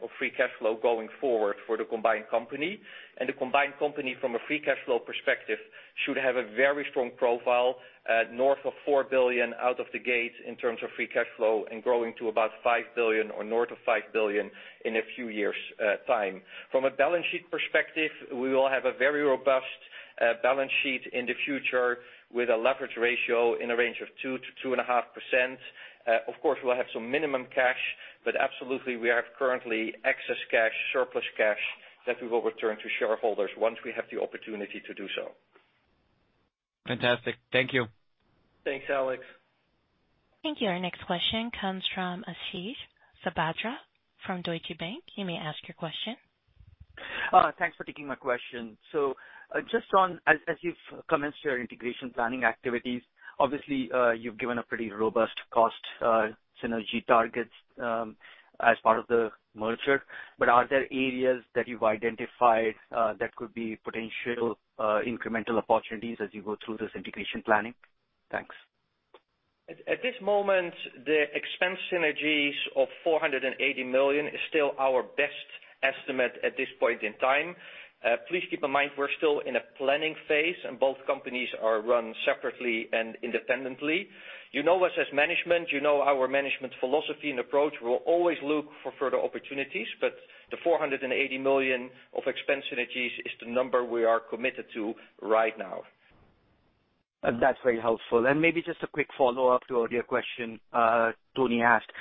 of free cash flow going forward for the combined company. The combined company, from a free cash flow perspective, should have a very strong profile north of $4 billion out of the gate in terms of free cash flow and growing to about $5 billion or north of $5 billion in a few years' time. From a balance sheet perspective, we will have a very robust balance sheet in the future with a leverage ratio in a range of 2%-2.5%. Of course, we'll have some minimum cash, but absolutely, we have currently excess cash, surplus cash that we will return to shareholders once we have the opportunity to do so. Fantastic. Thank you. Thanks, Alex. Thank you. Our next question comes from Ashish Sabadra from Deutsche Bank. You may ask your question. Thanks for taking my question. As you've commenced your integration planning activities, obviously, you've given a pretty robust cost synergy targets as part of the merger. Are there areas that you've identified that could be potential incremental opportunities as you go through this integration planning? Thanks. At this moment, the expense synergies of $480 million is still our best estimate at this point in time. Please keep in mind, we're still in a planning phase, and both companies are run separately and independently. You know us as management, you know our management philosophy and approach. We will always look for further opportunities, but the $480 million of expense synergies is the number we are committed to right now. That's very helpful. Maybe just a quick follow-up to earlier question Toni asked,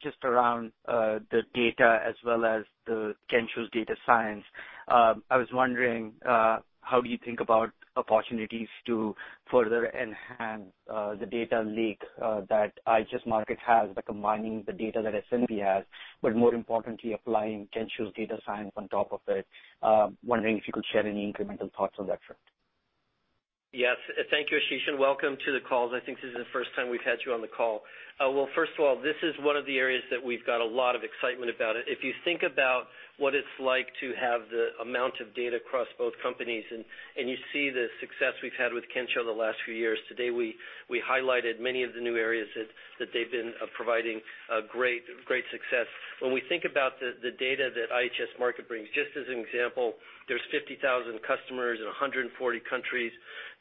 just around the data as well as the Kensho's data science. I was wondering, how do you think about opportunities to further enhance the data lake that IHS Markit has by combining the data that S&P has, but more importantly, applying Kensho's data science on top of it? Wondering if you could share any incremental thoughts on that front. Yes. Thank you, Ashish, and welcome to the call. I think this is the first time we've had you on the call. Well, first of all, this is one of the areas that we've got a lot of excitement about. If you think about what it's like to have the amount of data across both companies and you see the success we've had with Kensho the last few years. Today, we highlighted many of the new areas that they've been providing great success. When we think about the data that IHS Markit brings, just as an example, there's 50,000 customers in 140 countries.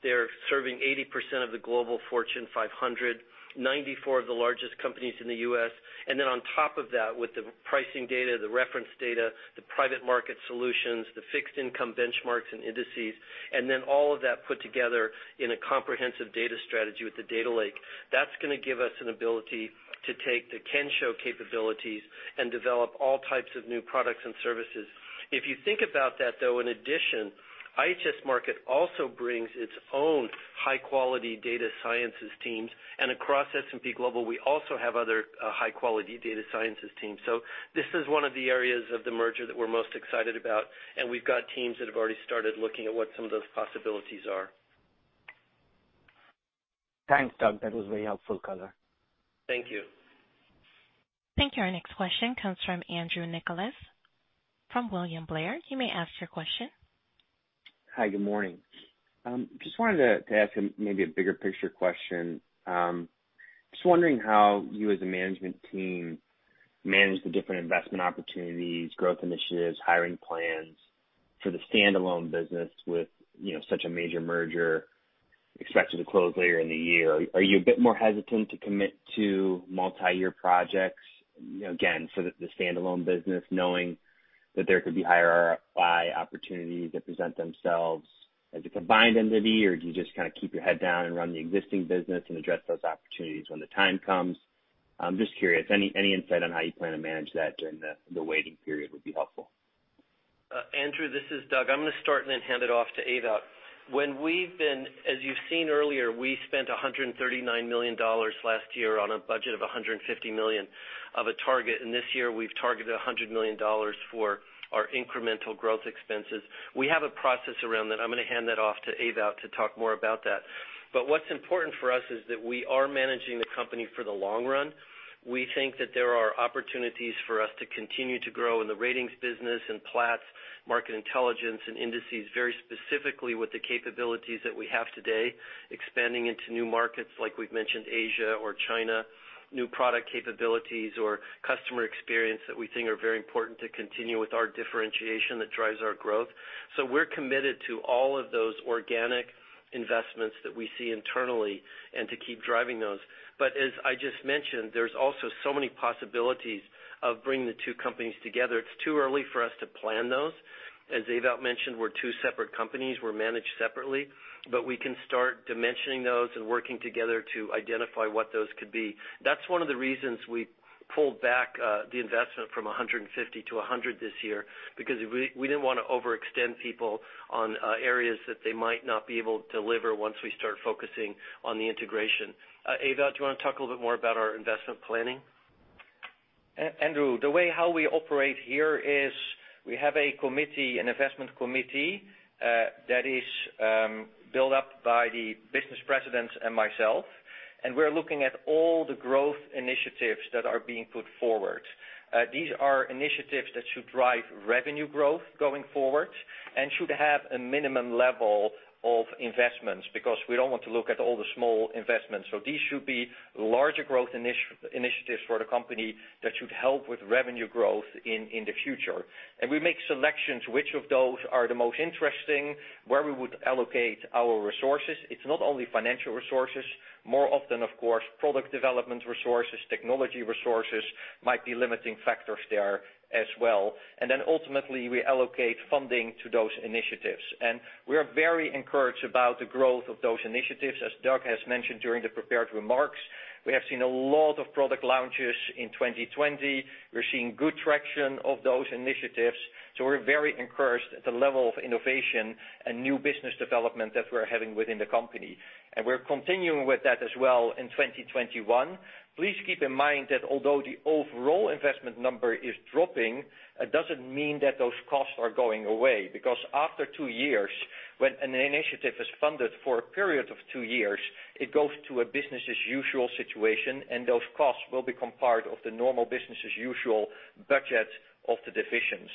They're serving 80% of the Fortune Global 500, 94 of the largest companies in the U.S. On top of that, with the pricing data, the reference data, the private market solutions, the fixed income benchmarks and indices, and then all of that put together in a comprehensive data strategy with the data lake, that's going to give us an ability to take the Kensho capabilities and develop all types of new products and services. If you think about that, though, in addition, IHS Markit also brings its own high-quality data sciences teams. Across S&P Global, we also have other high-quality data sciences teams. This is one of the areas of the merger that we're most excited about, and we've got teams that have already started looking at what some of those possibilities are. Thanks, Doug. That was very helpful color. Thank you. Thank you. Our next question comes from Andrew Nicholas from William Blair. You may ask your question. Hi, good morning. Just wanted to ask maybe a bigger picture question. Just wondering how you as a management team manage the different investment opportunities, growth initiatives, hiring plans for the standalone business with such a major merger expected to close later in the year. Are you a bit more hesitant to commit to multi-year projects, again, for the standalone business, knowing that there could be higher FI opportunities that present themselves as a combined entity? Do you just keep your head down and run the existing business and address those opportunities when the time comes? I'm just curious. Any insight on how you plan to manage that during the waiting period would be helpful. Andrew, this is Doug. I'm going to start and then hand it off to Ewout. As you've seen earlier, we spent $139 million last year on a budget of $150 million of a target. This year, we've targeted $100 million for our incremental growth expenses. We have a process around that. I'm going to hand that off to Ewout to talk more about that. What's important for us is that we are managing the company for the long run. We think that there are opportunities for us to continue to grow in the ratings business and Platts, Market Intelligence, and indices very specifically with the capabilities that we have today, expanding into new markets like we've mentioned, Asia or China. New product capabilities or customer experience that we think are very important to continue with our differentiation that drives our growth. We're committed to all of those organic investments that we see internally and to keep driving those. As I just mentioned, there's also so many possibilities of bringing the two companies together. It's too early for us to plan those. As Ewout mentioned, we're two separate companies. We're managed separately. We can start dimensioning those and working together to identify what those could be. That's one of the reasons we pulled back the investment from $150 to $100 this year, because we didn't want to overextend people on areas that they might not be able to deliver once we start focusing on the integration. Ewout, do you want to talk a little bit more about our investment planning? Andrew, the way how we operate here is we have a committee, an investment committee, that is built up by the business presidents and myself, and we're looking at all the growth initiatives that are being put forward. These are initiatives that should drive revenue growth going forward and should have a minimum level of investments, because we don't want to look at all the small investments. These should be larger growth initiatives for the company that should help with revenue growth in the future. We make selections, which of those are the most interesting, where we would allocate our resources. It's not only financial resources. More often, of course, product development resources, technology resources might be limiting factors there as well. Ultimately, we allocate funding to those initiatives. We are very encouraged about the growth of those initiatives. As Doug has mentioned during the prepared remarks, we have seen a lot of product launches in 2020. We're seeing good traction of those initiatives. We're very encouraged at the level of innovation and new business development that we're having within the company. We're continuing with that as well in 2021. Please keep in mind that although the overall investment number is dropping, it doesn't mean that those costs are going away, because after two years, when an initiative is funded for a period of two years, it goes to a business as usual situation, and those costs will become part of the normal business as usual budget of the division.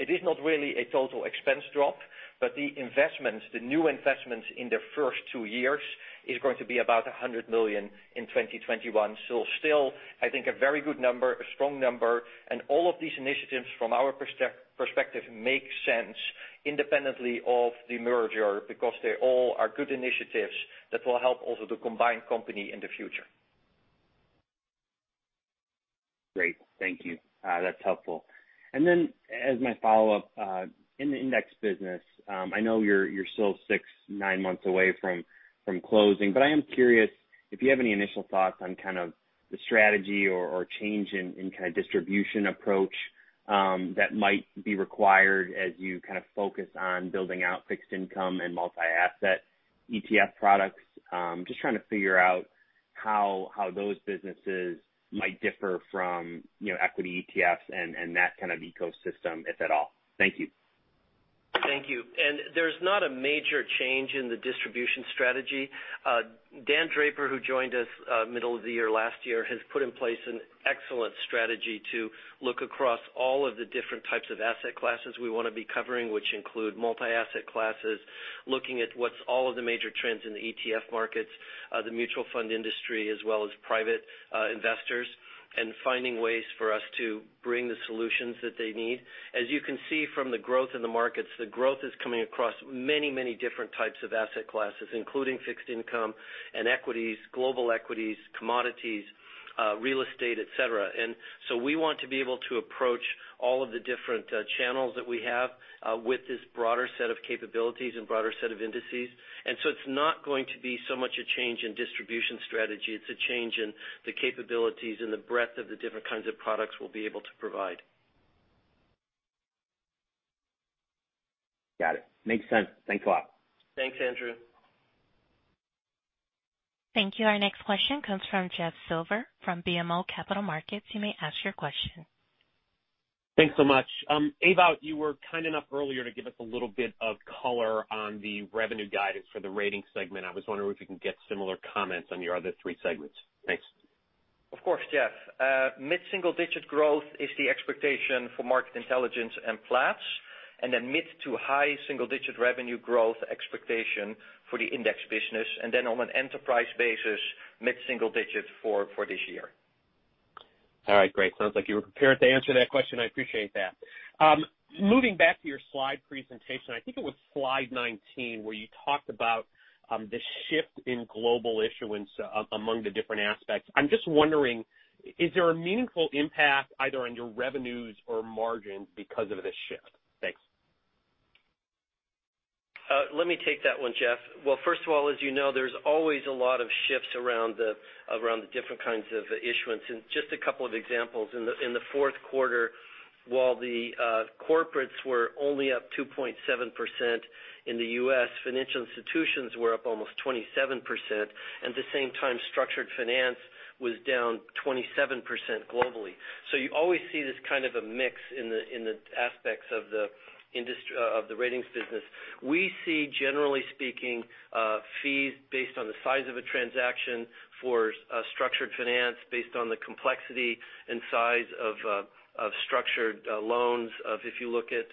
It is not really a total expense drop, but the investments, the new investments in the first two years is going to be about $100 million in 2021. Still, I think a very good number, a strong number, and all of these initiatives from our perspective make sense independently of the merger because they all are good initiatives that will help also the combined company in the future. Great. Thank you. That's helpful. Then as my follow-up, in the index business, I know you're still six, nine months away from closing. I am curious if you have any initial thoughts on kind of the strategy or change in kind of distribution approach that might be required as you kind of focus on building out fixed income and multi-asset ETF products. Just trying to figure out how those businesses might differ from equity ETFs and that kind of ecosystem, if at all. Thank you. Thank you. There's not a major change in the distribution strategy. Dan Draper, who joined us middle of the year last year, has put in place an excellent strategy to look across all of the different types of asset classes we want to be covering, which include multi-asset classes, looking at what's all of the major trends in the ETF markets, the mutual fund industry, as well as private investors, and finding ways for us to bring the solutions that they need. As you can see from the growth in the markets, the growth is coming across many different types of asset classes, including fixed income and equities, global equities, commodities, real estate, et cetera. So we want to be able to approach all of the different channels that we have with this broader set of capabilities and broader set of indices. It's not going to be so much a change in distribution strategy. It's a change in the capabilities and the breadth of the different kinds of products we'll be able to provide. Got it. Makes sense. Thanks a lot. Thanks, Andrew. Thank you. Our next question comes from Jeff Silber from BMO Capital Markets. Thanks so much. Ewout, you were kind enough earlier to give us a little bit of color on the revenue guidance for the Ratings segment. I was wondering if we can get similar comments on your other three segments. Thanks. Of course, Jeff. Mid-single-digit growth is the expectation for Market Intelligence and Platts, mid to high single-digit revenue growth expectation for the index business. On an enterprise basis, mid-single digit for this year. All right, great. Sounds like you were prepared to answer that question. I appreciate that. Moving back to your slide presentation, I think it was slide 19 where you talked about the shift in global issuance among the different aspects. I'm just wondering, is there a meaningful impact either on your revenues or margin because of this shift? Thanks. Let me take that one, Jeff. Well, first of all, as you know, there's always a lot of shifts around the different kinds of issuance. Just a couple of examples. In the fourth quarter, while the corporates were only up 2.7% in the U.S., financial institutions were up almost 27%, at the same time, structured finance was down 27% globally. You always see this kind of a mix in the aspects of the ratings business. We see, generally speaking, fees based on the size of a transaction for structured finance, based on the complexity and size of structured loans of if you look at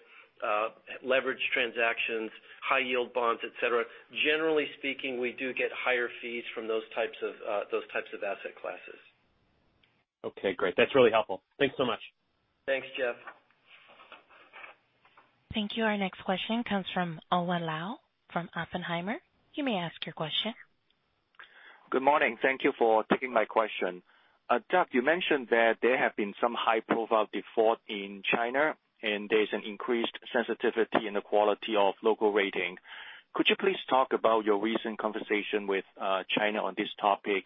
leveraged transactions, high yield bonds, et cetera. Generally speaking, we do get higher fees from those types of asset classes. Okay, great. That's really helpful. Thanks so much. Thanks, Jeff. Thank you. Our next question comes from Owen Lau from Oppenheimer. You may ask your question. Good morning. Thank you for taking my question. Doug, you mentioned that there have been some high-profile default in China, and there's an increased sensitivity in the quality of local rating. Could you please talk about your recent conversation with China on this topic?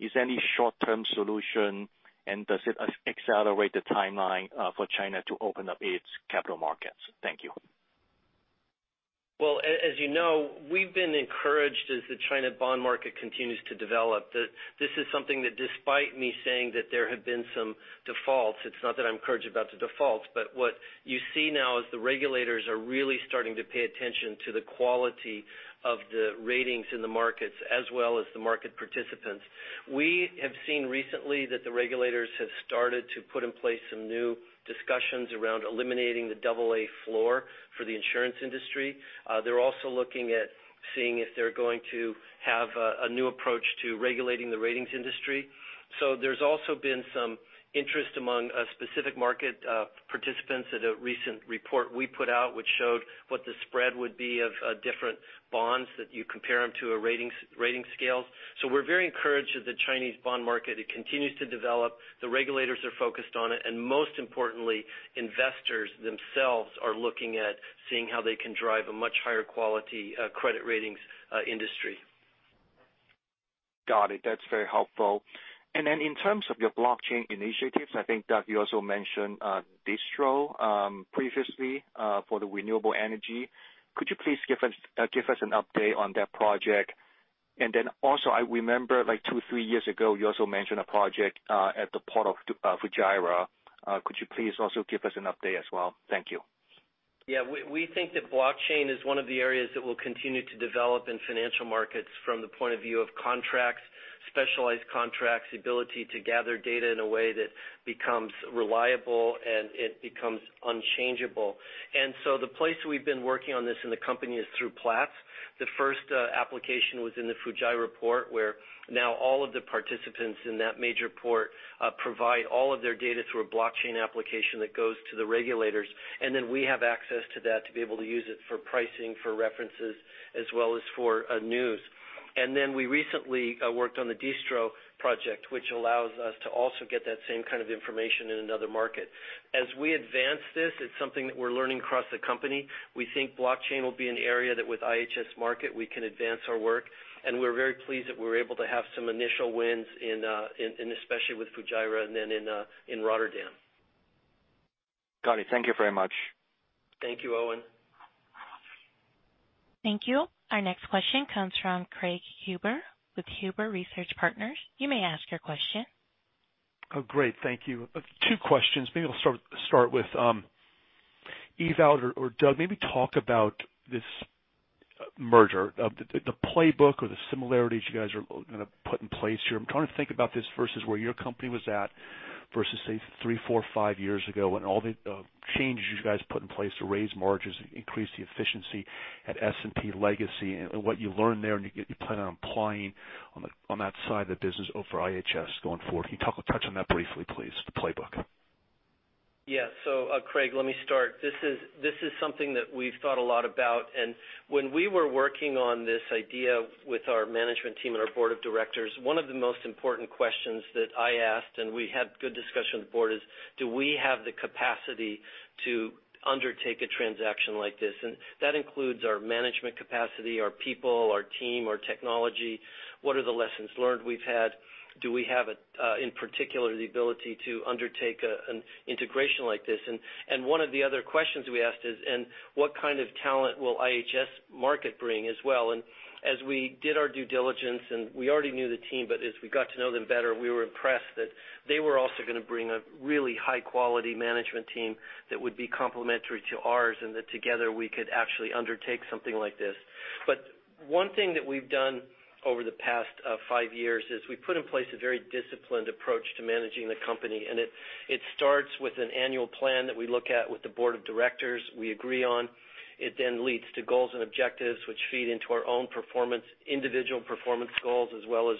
Is any short-term solution, and does it accelerate the timeline for China to open up its capital markets? Thank you. Well, as you know, we've been encouraged as the China bond market continues to develop that this is something that despite me saying that there have been some defaults, it's not that I'm encouraged about the defaults, but what you see now is the regulators are really starting to pay attention to the quality of the ratings in the markets as well as the market participants. We have seen recently that the regulators have started to put in place some new discussions around eliminating the double-A floor for the insurance industry. They're also looking at seeing if they're going to have a new approach to regulating the ratings industry. There's also been some interest among specific market participants at a recent report we put out, which showed what the spread would be of different bonds that you compare them to a rating scale. We're very encouraged that the Chinese bond market, it continues to develop, the regulators are focused on it, and most importantly, investors themselves are looking at seeing how they can drive a much higher quality credit ratings industry. Got it. That's very helpful. In terms of your blockchain initiatives, I think, Doug, you also mentioned Distro previously for the renewable energy. Could you please give us an update on that project? I remember like two, three years ago, you also mentioned a project at the Port of Fujairah. Could you please also give us an update as well? Thank you. We think that blockchain is one of the areas that will continue to develop in financial markets from the point of view of contracts, specialized contracts, the ability to gather data in a way that becomes reliable and it becomes unchangeable. The place we've been working on this in the company is through Platts. The first application was in the Fujairah port, where now all of the participants in that major port provide all of their data through a blockchain application that goes to the regulators, and then we have access to that to be able to use it for pricing, for references, as well as for news. We recently worked on the Distro project, which allows us to also get that same kind of information in another market. As we advance this, it's something that we're learning across the company. We think blockchain will be an area that with IHS Markit, we can advance our work, and we're very pleased that we're able to have some initial wins, and especially with Fujairah and then in Rotterdam. Got it. Thank you very much. Thank you, Owen. Thank you. Our next question comes from Craig Huber with Huber Research Partners. You may ask your question. Oh, great. Thank you. Two questions. Maybe I'll start with Ewout or Doug. Maybe talk about this merger, the playbook or the similarities you guys are going to put in place here. I'm trying to think about this versus where your company was at versus, say, three, four, five years ago, and all the changes you guys put in place to raise margins, increase the efficiency at S&P Legacy and what you learned there, and you plan on applying on that side of the business over IHS going forward. Can you touch on that briefly, please? The playbook. Craig, let me start. This is something that we've thought a lot about. When we were working on this idea with our management team and our board of directors, one of the most important questions that I asked, and we had good discussion with the board, is do we have the capacity to undertake a transaction like this? That includes our management capacity, our people, our team, our technology. What are the lessons learned we've had? Do we have, in particular, the ability to undertake an integration like this? One of the other questions we asked is, what kind of talent will IHS Markit bring as well? As we did our due diligence, and we already knew the team, but as we got to know them better, we were impressed that they were also going to bring a really high-quality management team that would be complementary to ours, and that together we could actually undertake something like this. One thing that we've done over the past five years is we put in place a very disciplined approach to managing the company. It starts with an annual plan that we look at with the board of directors, we agree on. It leads to goals and objectives which feed into our own individual performance goals as well as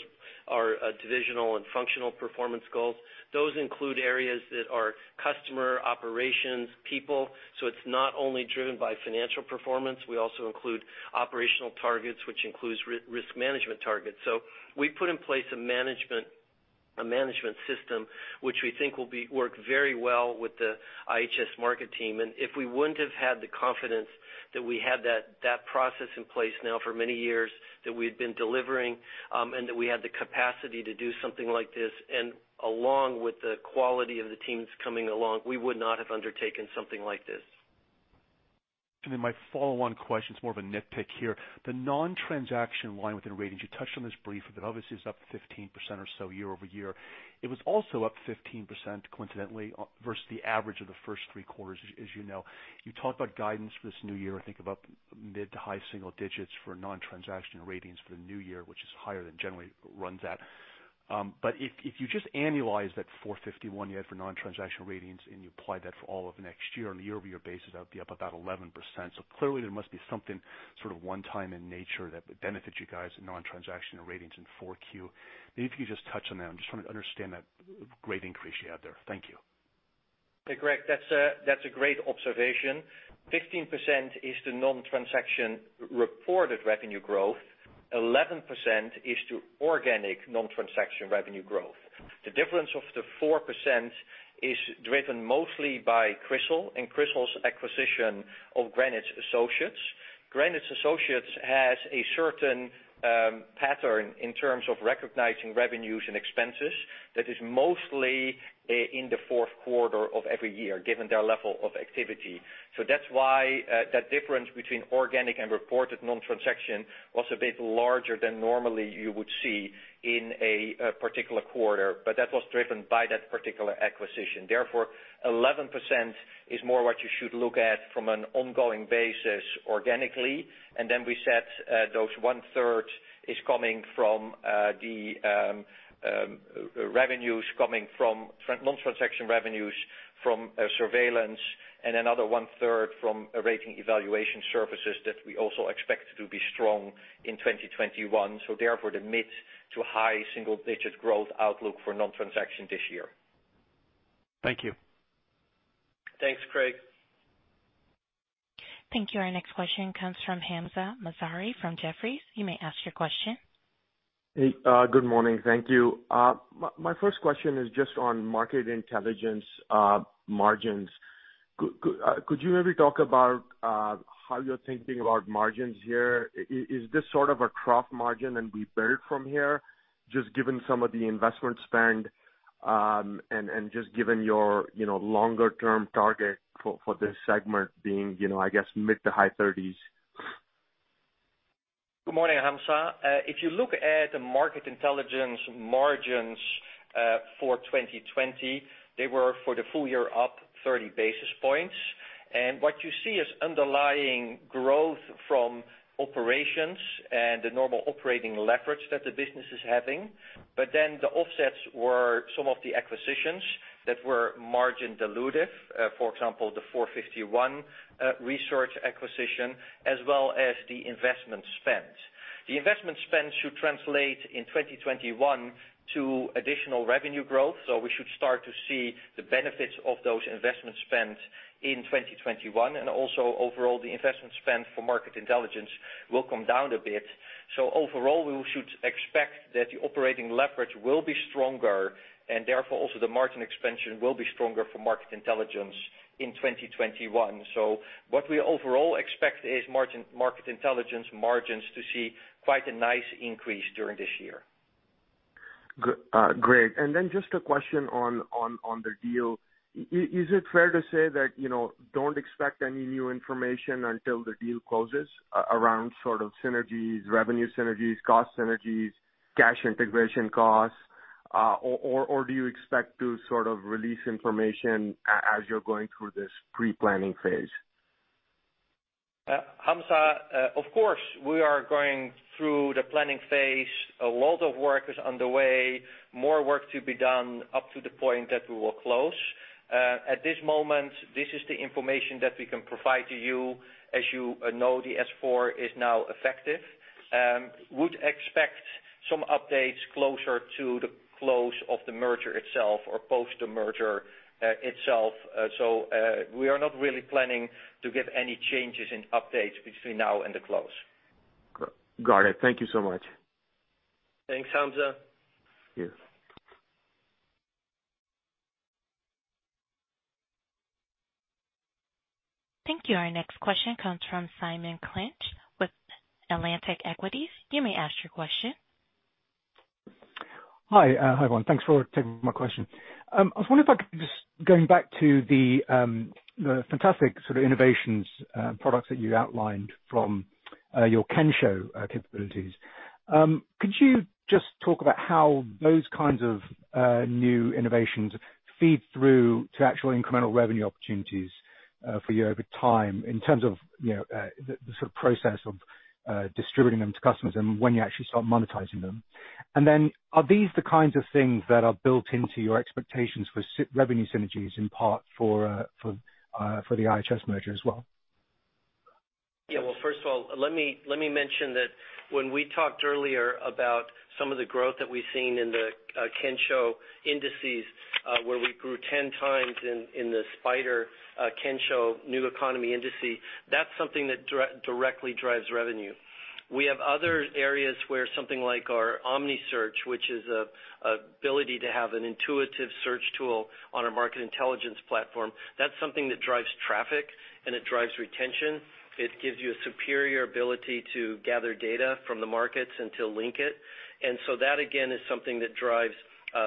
our divisional and functional performance goals. Those include areas that are customer, operations, people. It's not only driven by financial performance. We also include operational targets, which includes risk management targets. We put in place a management system which we think will work very well with the IHS Markit team. If we wouldn't have had the confidence that we had that process in place now for many years, that we had been delivering, and that we had the capacity to do something like this, and along with the quality of the teams coming along, we would not have undertaken something like this. My follow-on question is more of a nitpick here, the non-transaction line within ratings. You touched on this briefly, but obviously it's up 15% or so year-over-year. It was also up 15% coincidentally versus the average of the first three quarters as you know. You talked about guidance for this new year, I think about mid to high single digits for non-transaction ratings for the new year, which is higher than it generally runs at. If you just annualize that 451 you had for non-transaction ratings and you apply that for all of next year on a year-over-year basis, that would be up about 11%. Clearly there must be something sort of one time in nature that benefits you guys in non-transaction ratings in 4Q. Maybe if you could just touch on that. I'm just trying to understand that great increase you had there. Thank you. Hey, Craig, that's a great observation. 15% is the non-transaction reported revenue growth. 11% is to organic non-transaction revenue growth. The difference of the 4% is driven mostly by CRISIL and CRISIL's acquisition of Greenwich Associates. Greenwich Associates has a certain pattern in terms of recognizing revenues and expenses that is mostly in the fourth quarter of every year, given their level of activity. That's why that difference between organic and reported non-transaction was a bit larger than normally you would see in a particular quarter. That was driven by that particular acquisition. Therefore, 11% is more what you should look at from an ongoing basis organically. Then we said those one-third is coming from the revenues coming from non-transaction revenues from surveillance and another one-third from rating evaluation services that we also expect to be strong in 2021. Therefore, the mid to high single-digit growth outlook for non-transaction this year. Thank you. Thanks, Craig. Thank you. Our next question comes from Hamzah Mazari from Jefferies. You may ask your question. Hey, good morning. Thank you. My first question is just on Market Intelligence margins. Could you maybe talk about how you're thinking about margins here? Is this sort of a trough margin and we build from here, just given some of the investment spend, and just given your longer-term target for this segment being, I guess, mid to high 30s? Good morning, Hamzah. If you look at the Market Intelligence margins for 2020, they were for the full year up 30 basis points. What you see is underlying growth from operations and the normal operating leverage that the business is having. The offsets were some of the acquisitions that were margin dilutive. For example, the 451 Research acquisition as well as the investment spend. The investment spend should translate in 2021 to additional revenue growth. We should start to see the benefits of those investment spends in 2021. Overall, the investment spend for Market Intelligence will come down a bit. Overall, we should expect that the operating leverage will be stronger, and therefore, also the margin expansion will be stronger for Market Intelligence in 2021. What we overall expect is Market Intelligence margins to see quite a nice increase during this year. Great. Just a question on the deal. Is it fair to say that don't expect any new information until the deal closes around synergies, revenue synergies, cost synergies, cash integration costs? Do you expect to release information as you're going through this pre-planning phase? Hamzah, of course, we are going through the planning phase. A lot of work is underway, more work to be done up to the point that we will close. At this moment, this is the information that we can provide to you. As you know, the S-4 is now effective. We would expect some updates closer to the close of the merger itself or post the merger itself. We are not really planning to give any changes in updates between now and the close. Got it. Thank you so much. Thanks, Hamzah. Yeah. Thank you. Our next question comes from Simon Clinch with Atlantic Equities. You may ask your question. Hi, everyone. Thanks for taking my question. I was wondering if I could just going back to the fantastic sort of innovations products that you outlined from your Kensho capabilities. Could you just talk about how those kinds of new innovations feed through to actual incremental revenue opportunities for you over time in terms of the process of distributing them to customers and when you actually start monetizing them? Are these the kinds of things that are built into your expectations for revenue synergies, in part for the IHS merger as well? Yeah. First of all, let me mention that when we talked earlier about some of the growth that we've seen in the Kensho indices, where we grew 10 times in the SPDR Kensho New Economy Index, that's something that directly drives revenue. We have other areas where something like our OmniSearch, which is an ability to have an intuitive search tool on our Market Intelligence platform. That's something that drives traffic, and it drives retention. It gives you a superior ability to gather data from the markets and to link it. That, again, is something that drives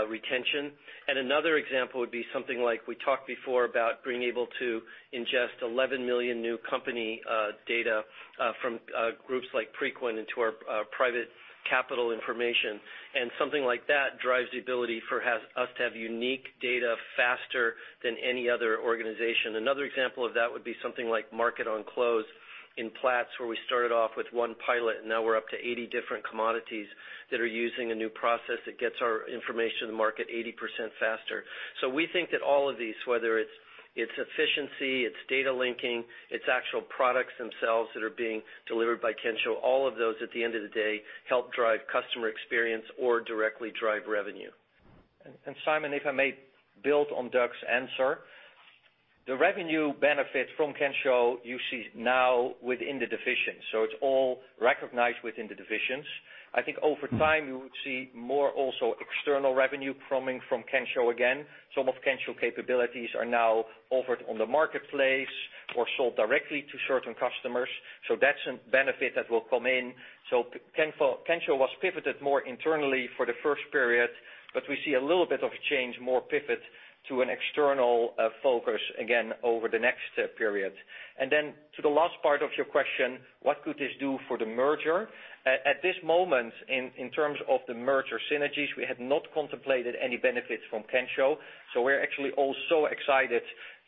retention. Another example would be something like we talked before about being able to ingest 11 million new company data from groups like Preqin into our private capital information. Something like that drives the ability for us to have unique data faster than any other organization. Another example of that would be something like market on close in Platts, where we started off with one pilot. Now we're up to 80 different commodities that are using a new process that gets our information to the market 80% faster. We think that all of these, whether it's efficiency, it's data linking, it's actual products themselves that are being delivered by Kensho, all of those, at the end of the day, help drive customer experience or directly drive revenue. Simon, if I may build on Doug's answer, the revenue benefit from Kensho you see now within the division. It's all recognized within the divisions. I think over time, you would see more also external revenue coming from Kensho again. Some of Kensho capabilities are now offered on the Marketplace or sold directly to certain customers. That's a benefit that will come in. Kensho was pivoted more internally for the first period, but we see a little bit of change, more pivot to an external focus again over the next period. Then to the last part of your question, what could this do for the merger? At this moment, in terms of the merger synergies, we have not contemplated any benefits from Kensho. We're actually also excited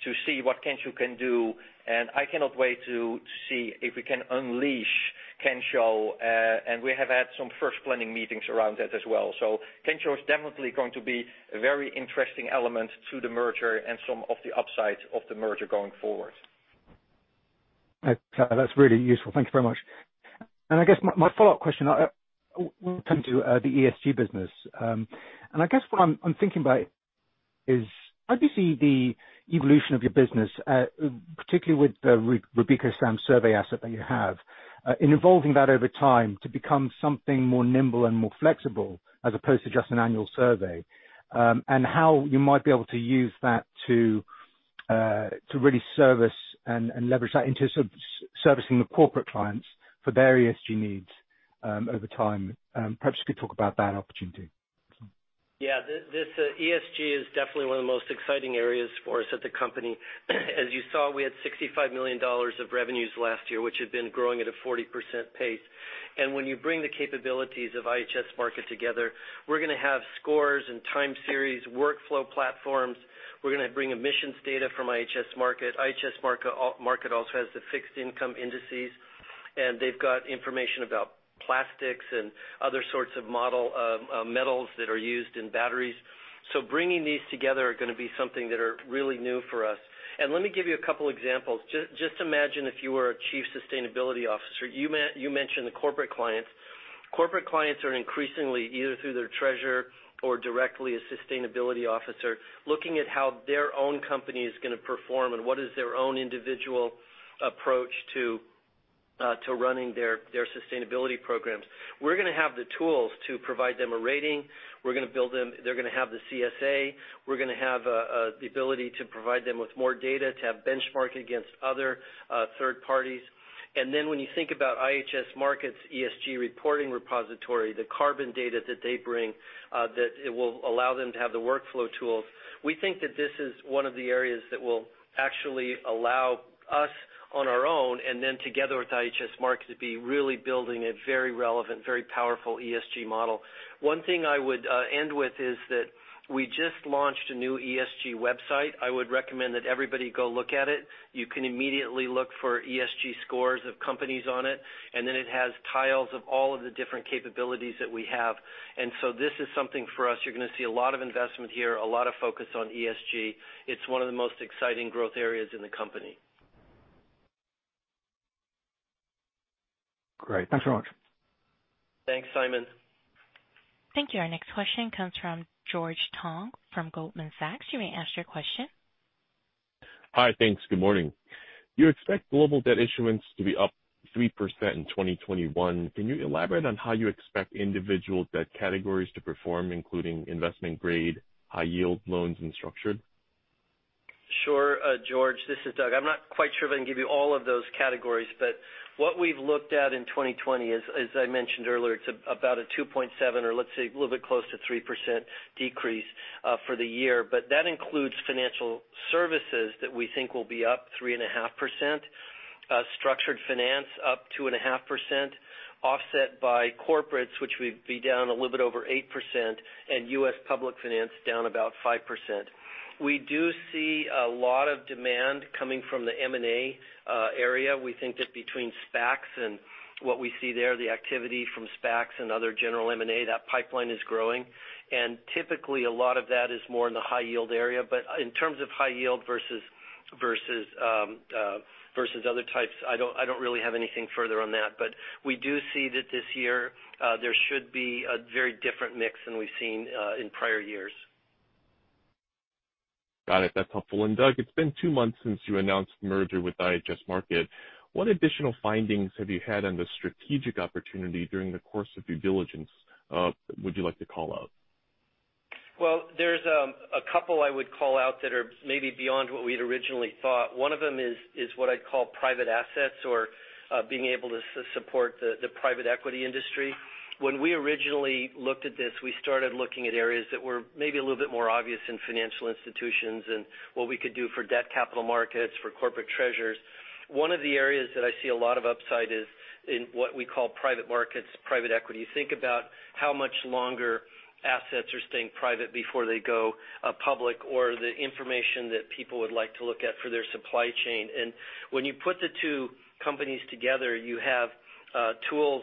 to see what Kensho can do, and I cannot wait to see if we can unleash Kensho. We have had some first planning meetings around that as well. Kensho is definitely going to be a very interesting element to the merger and some of the upsides of the merger going forward. That's really useful. Thank you very much. I guess my follow-up question, we'll turn to the ESG business. I guess what I'm thinking about is, how do you see the evolution of your business, particularly with the Refinitiv survey asset that you have, in evolving that over time to become something more nimble and more flexible as opposed to just an annual survey? How you might be able to use that to really service and leverage that into servicing the corporate clients for their ESG needs over time? Perhaps you could talk about that opportunity. Yeah. This ESG is definitely one of the most exciting areas for us at the company. As you saw, we had $65 million of revenues last year, which had been growing at a 40% pace. When you bring the capabilities of IHS Markit together, we're going to have scores and time series workflow platforms. We're going to bring emissions data from IHS Markit. IHS Markit also has the fixed income indices, and they've got information about plastics and other sorts of metals that are used in batteries. Bringing these together are going to be something that are really new for us. Let me give you a couple examples. Just imagine if you were a chief sustainability officer. You mentioned the corporate clients. Corporate clients are increasingly, either through their treasurer or directly a sustainability officer, looking at how their own company is going to perform and what is their own individual approach to running their sustainability programs. We're going to have the tools to provide them a rating. They're going to have the CSA. We're going to have the ability to provide them with more data to have benchmark against other third parties. Then when you think about IHS Markit's ESG reporting repository, the carbon data that they bring, that it will allow them to have the workflow tools. We think that this is one of the areas that will actually allow us on our own and then together with IHS Markit, to be really building a very relevant, very powerful ESG model. One thing I would end with is that we just launched a new ESG website. I would recommend that everybody go look at it. You can immediately look for ESG scores of companies on it. It has tiles of all of the different capabilities that we have. This is something for us. You're going to see a lot of investment here, a lot of focus on ESG. It's one of the most exciting growth areas in the company. Great. Thanks very much. Thanks, Simon. Thank you. Our next question comes from George Tong from Goldman Sachs. You may ask your question. Hi. Thanks. Good morning. You expect global debt issuance to be up 3% in 2021. Can you elaborate on how you expect individual debt categories to perform, including investment grade, high yield loans, and structured? Sure, George. This is Doug. I'm not quite sure if I can give you all of those categories, but what we've looked at in 2020, as I mentioned earlier, it's about a 2.7 or let's say a little bit close to 3% decrease for the year. That includes financial services that we think will be up 3.5%, structured finance up 2.5%, offset by corporates, which would be down a little bit over 8%, and U.S. public finance down about 5%. We do see a lot of demand coming from the M&A area. We think that between SPACs and what we see there, the activity from SPACs and other general M&A, that pipeline is growing. Typically, a lot of that is more in the high yield area. In terms of high yield versus other types, I don't really have anything further on that. We do see that this year, there should be a very different mix than we've seen in prior years. Got it. That's helpful. Doug, it's been two months since you announced the merger with IHS Markit. What additional findings have you had on the strategic opportunity during the course of due diligence would you like to call out? There's a couple I would call out that are maybe beyond what we had originally thought. One of them is what I'd call private assets or being able to support the private equity industry. When we originally looked at this, we started looking at areas that were maybe a little bit more obvious in financial institutions and what we could do for debt capital markets, for corporate treasurers. One of the areas that I see a lot of upside is in what we call private markets, private equity. Think about how much longer assets are staying private before they go public, or the information that people would like to look at for their supply chain. When you put the two companies together, you have tools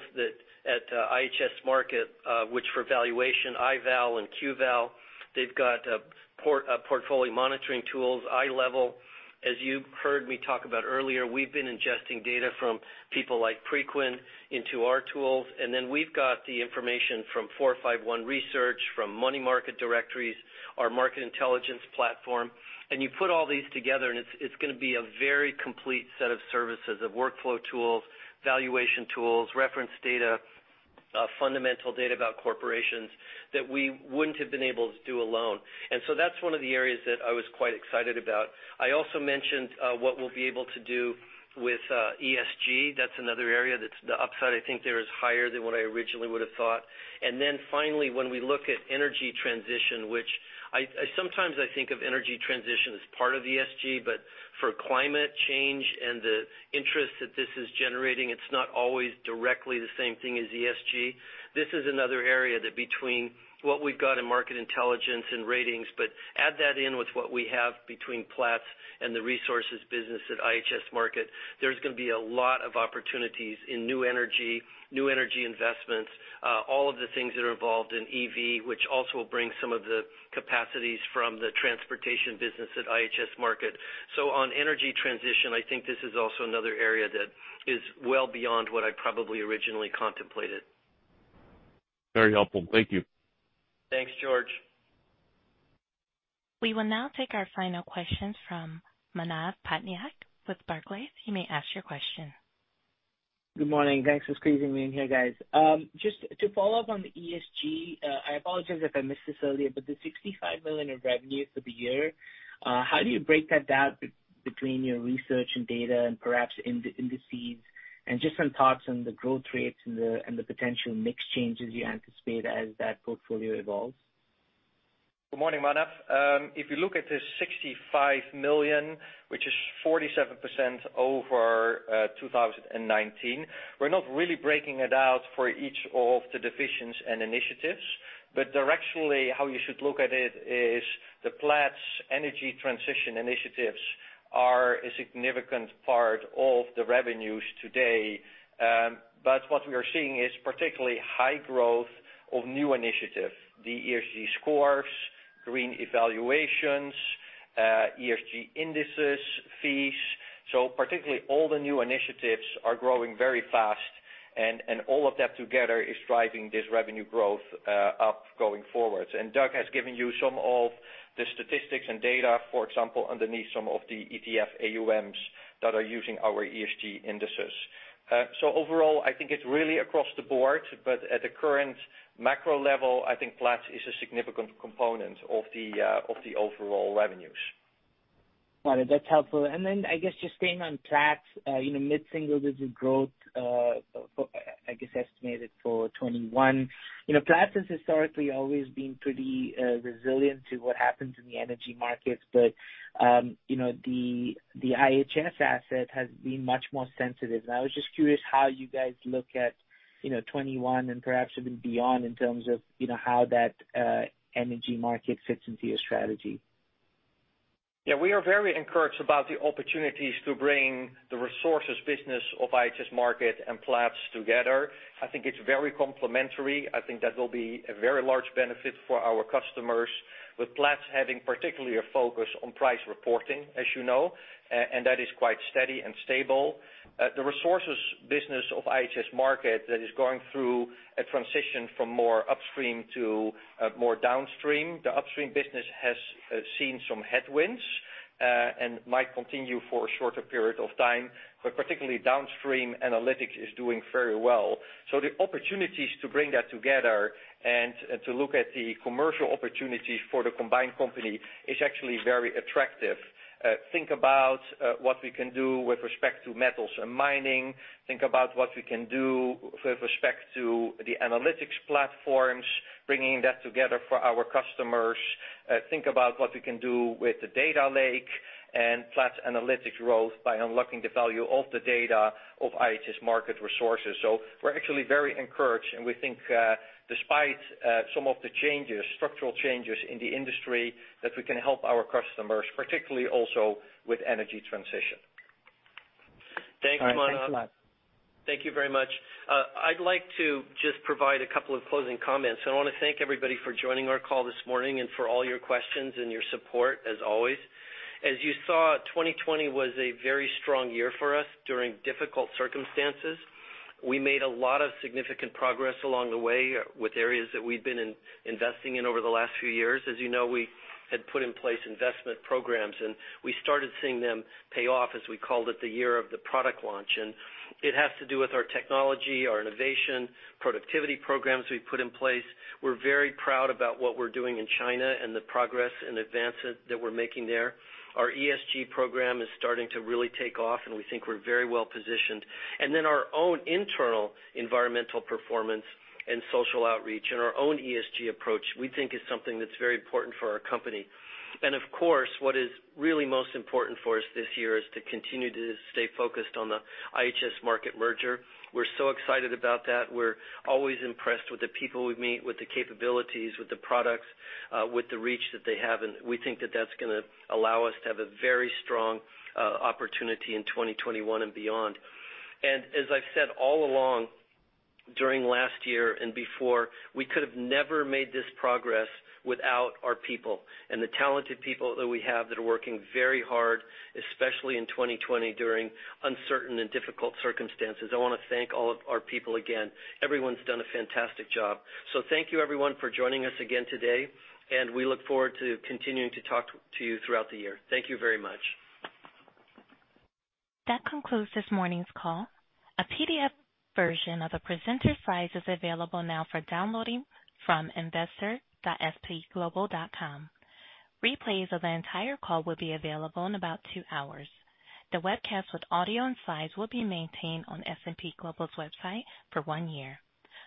at IHS Markit, which for valuation, iVal and QVal. They've got portfolio monitoring tools, iLevel. As you heard me talk about earlier, we've been ingesting data from people like Preqin into our tools, then we've got the information from 451 Research, from Money Market Directories, our Market Intelligence platform. You put all these together, it's going to be a very complete set of services of workflow tools, valuation tools, reference data, fundamental data about corporations that we wouldn't have been able to do alone. That's one of the areas that I was quite excited about. I also mentioned what we'll be able to do with ESG. That's another area that's the upside I think there is higher than what I originally would have thought. Finally, when we look at energy transition, which sometimes I think of energy transition as part of ESG, but for climate change and the interest that this is generating, it's not always directly the same thing as ESG. This is another area that between what we've got in Market Intelligence and ratings, but add that in with what we have between Platts and the resources business at IHS Markit. There's going to be a lot of opportunities in new energy investments. All of the things that are involved in EV, which also will bring some of the capacities from the transportation business at IHS Markit. On energy transition, I think this is also another area that is well beyond what I probably originally contemplated. Very helpful. Thank you. Thanks, George. We will now take our final questions from Manav Patnaik with Barclays. You may ask your question. Good morning. Thanks for squeezing me in here, guys. Just to follow up on the ESG, I apologize if I missed this earlier, but the $65 million of revenues for the year, how do you break that down between your research and data and perhaps indices? And just some thoughts on the growth rates and the potential mix changes you anticipate as that portfolio evolves. Good morning, Manav. If you look at the $65 million, which is 47% over 2019, we're not really breaking it out for each of the divisions and initiatives. Directionally, how you should look at it is the Platts energy transition initiatives are a significant part of the revenues today. What we are seeing is particularly high growth of new initiatives, the ESG Scores, green evaluations, ESG Indices fees. Particularly all the new initiatives are growing very fast, and all of that together is driving this revenue growth up going forward. Doug has given you some of the statistics and data, for example, underneath some of the ETF AUMs that are using our ESG Indices. Overall, I think it's really across the board, but at the current macro level, I think Platts is a significant component of the overall revenues. Got it. That's helpful. Then, I guess just staying on Platts, mid-single-digit growth, I guess estimated for 2021. Platts has historically always been pretty resilient to what happens in the energy markets. The IHS asset has been much more sensitive. I was just curious how you guys look at 2021 and perhaps even beyond in terms of how that energy market fits into your strategy. Yeah, we are very encouraged about the opportunities to bring the resources business of IHS Markit and Platts together. I think it's very complementary. I think that will be a very large benefit for our customers, with Platts having particularly a focus on price reporting, as you know, and that is quite steady and stable. The resources business of IHS Markit that is going through a transition from more upstream to more downstream. The upstream business has seen some headwinds, might continue for a shorter period of time. Particularly downstream analytics is doing very well. The opportunities to bring that together and to look at the commercial opportunities for the combined company is actually very attractive. Think about what we can do with respect to metals and mining. Think about what we can do with respect to the analytics platforms, bringing that together for our customers. Think about what we can do with the data lake and Platts analytics growth by unlocking the value of the data of IHS Markit resources. We're actually very encouraged, and we think despite some of the structural changes in the industry, that we can help our customers, particularly also with energy transition. Thanks, Manav. All right. Thanks a lot. Thank you very much. I'd like to just provide a couple of closing comments. I want to thank everybody for joining our call this morning, and for all your questions and your support as always. As you saw, 2020 was a very strong year for us during difficult circumstances. We made a lot of significant progress along the way with areas that we've been investing in over the last few years. As you know, we had put in place investment programs, and we started seeing them pay off as we called it the year of the product launch. It has to do with our technology, our innovation, productivity programs we put in place. We're very proud about what we're doing in China and the progress and advances that we're making there. Our ESG program is starting to really take off, and we think we're very well-positioned. Our own internal environmental performance and social outreach and our own ESG approach, we think is something that's very important for our company. Of course, what is really most important for us this year is to continue to stay focused on the IHS Markit merger. We're so excited about that. We're always impressed with the people we meet, with the capabilities, with the products, with the reach that they have, and we think that that's going to allow us to have a very strong opportunity in 2021 and beyond. As I've said all along during last year and before, we could have never made this progress without our people, and the talented people that we have that are working very hard, especially in 2020 during uncertain and difficult circumstances. I want to thank all of our people again. Everyone's done a fantastic job. Thank you everyone for joining us again today, and we look forward to continuing to talk to you throughout the year. Thank you very much. That concludes this morning's call. A PDF version of the presenter's slides is available now for downloading from investor.spglobal.com. Replays of the entire call will be available in about two hours. The webcast with audio and slides will be maintained on S&P Global's website for one year.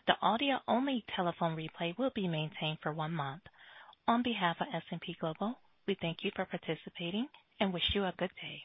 The audio-only telephone replay will be maintained for one month. On behalf of S&P Global, we thank you for participating and wish you a good day.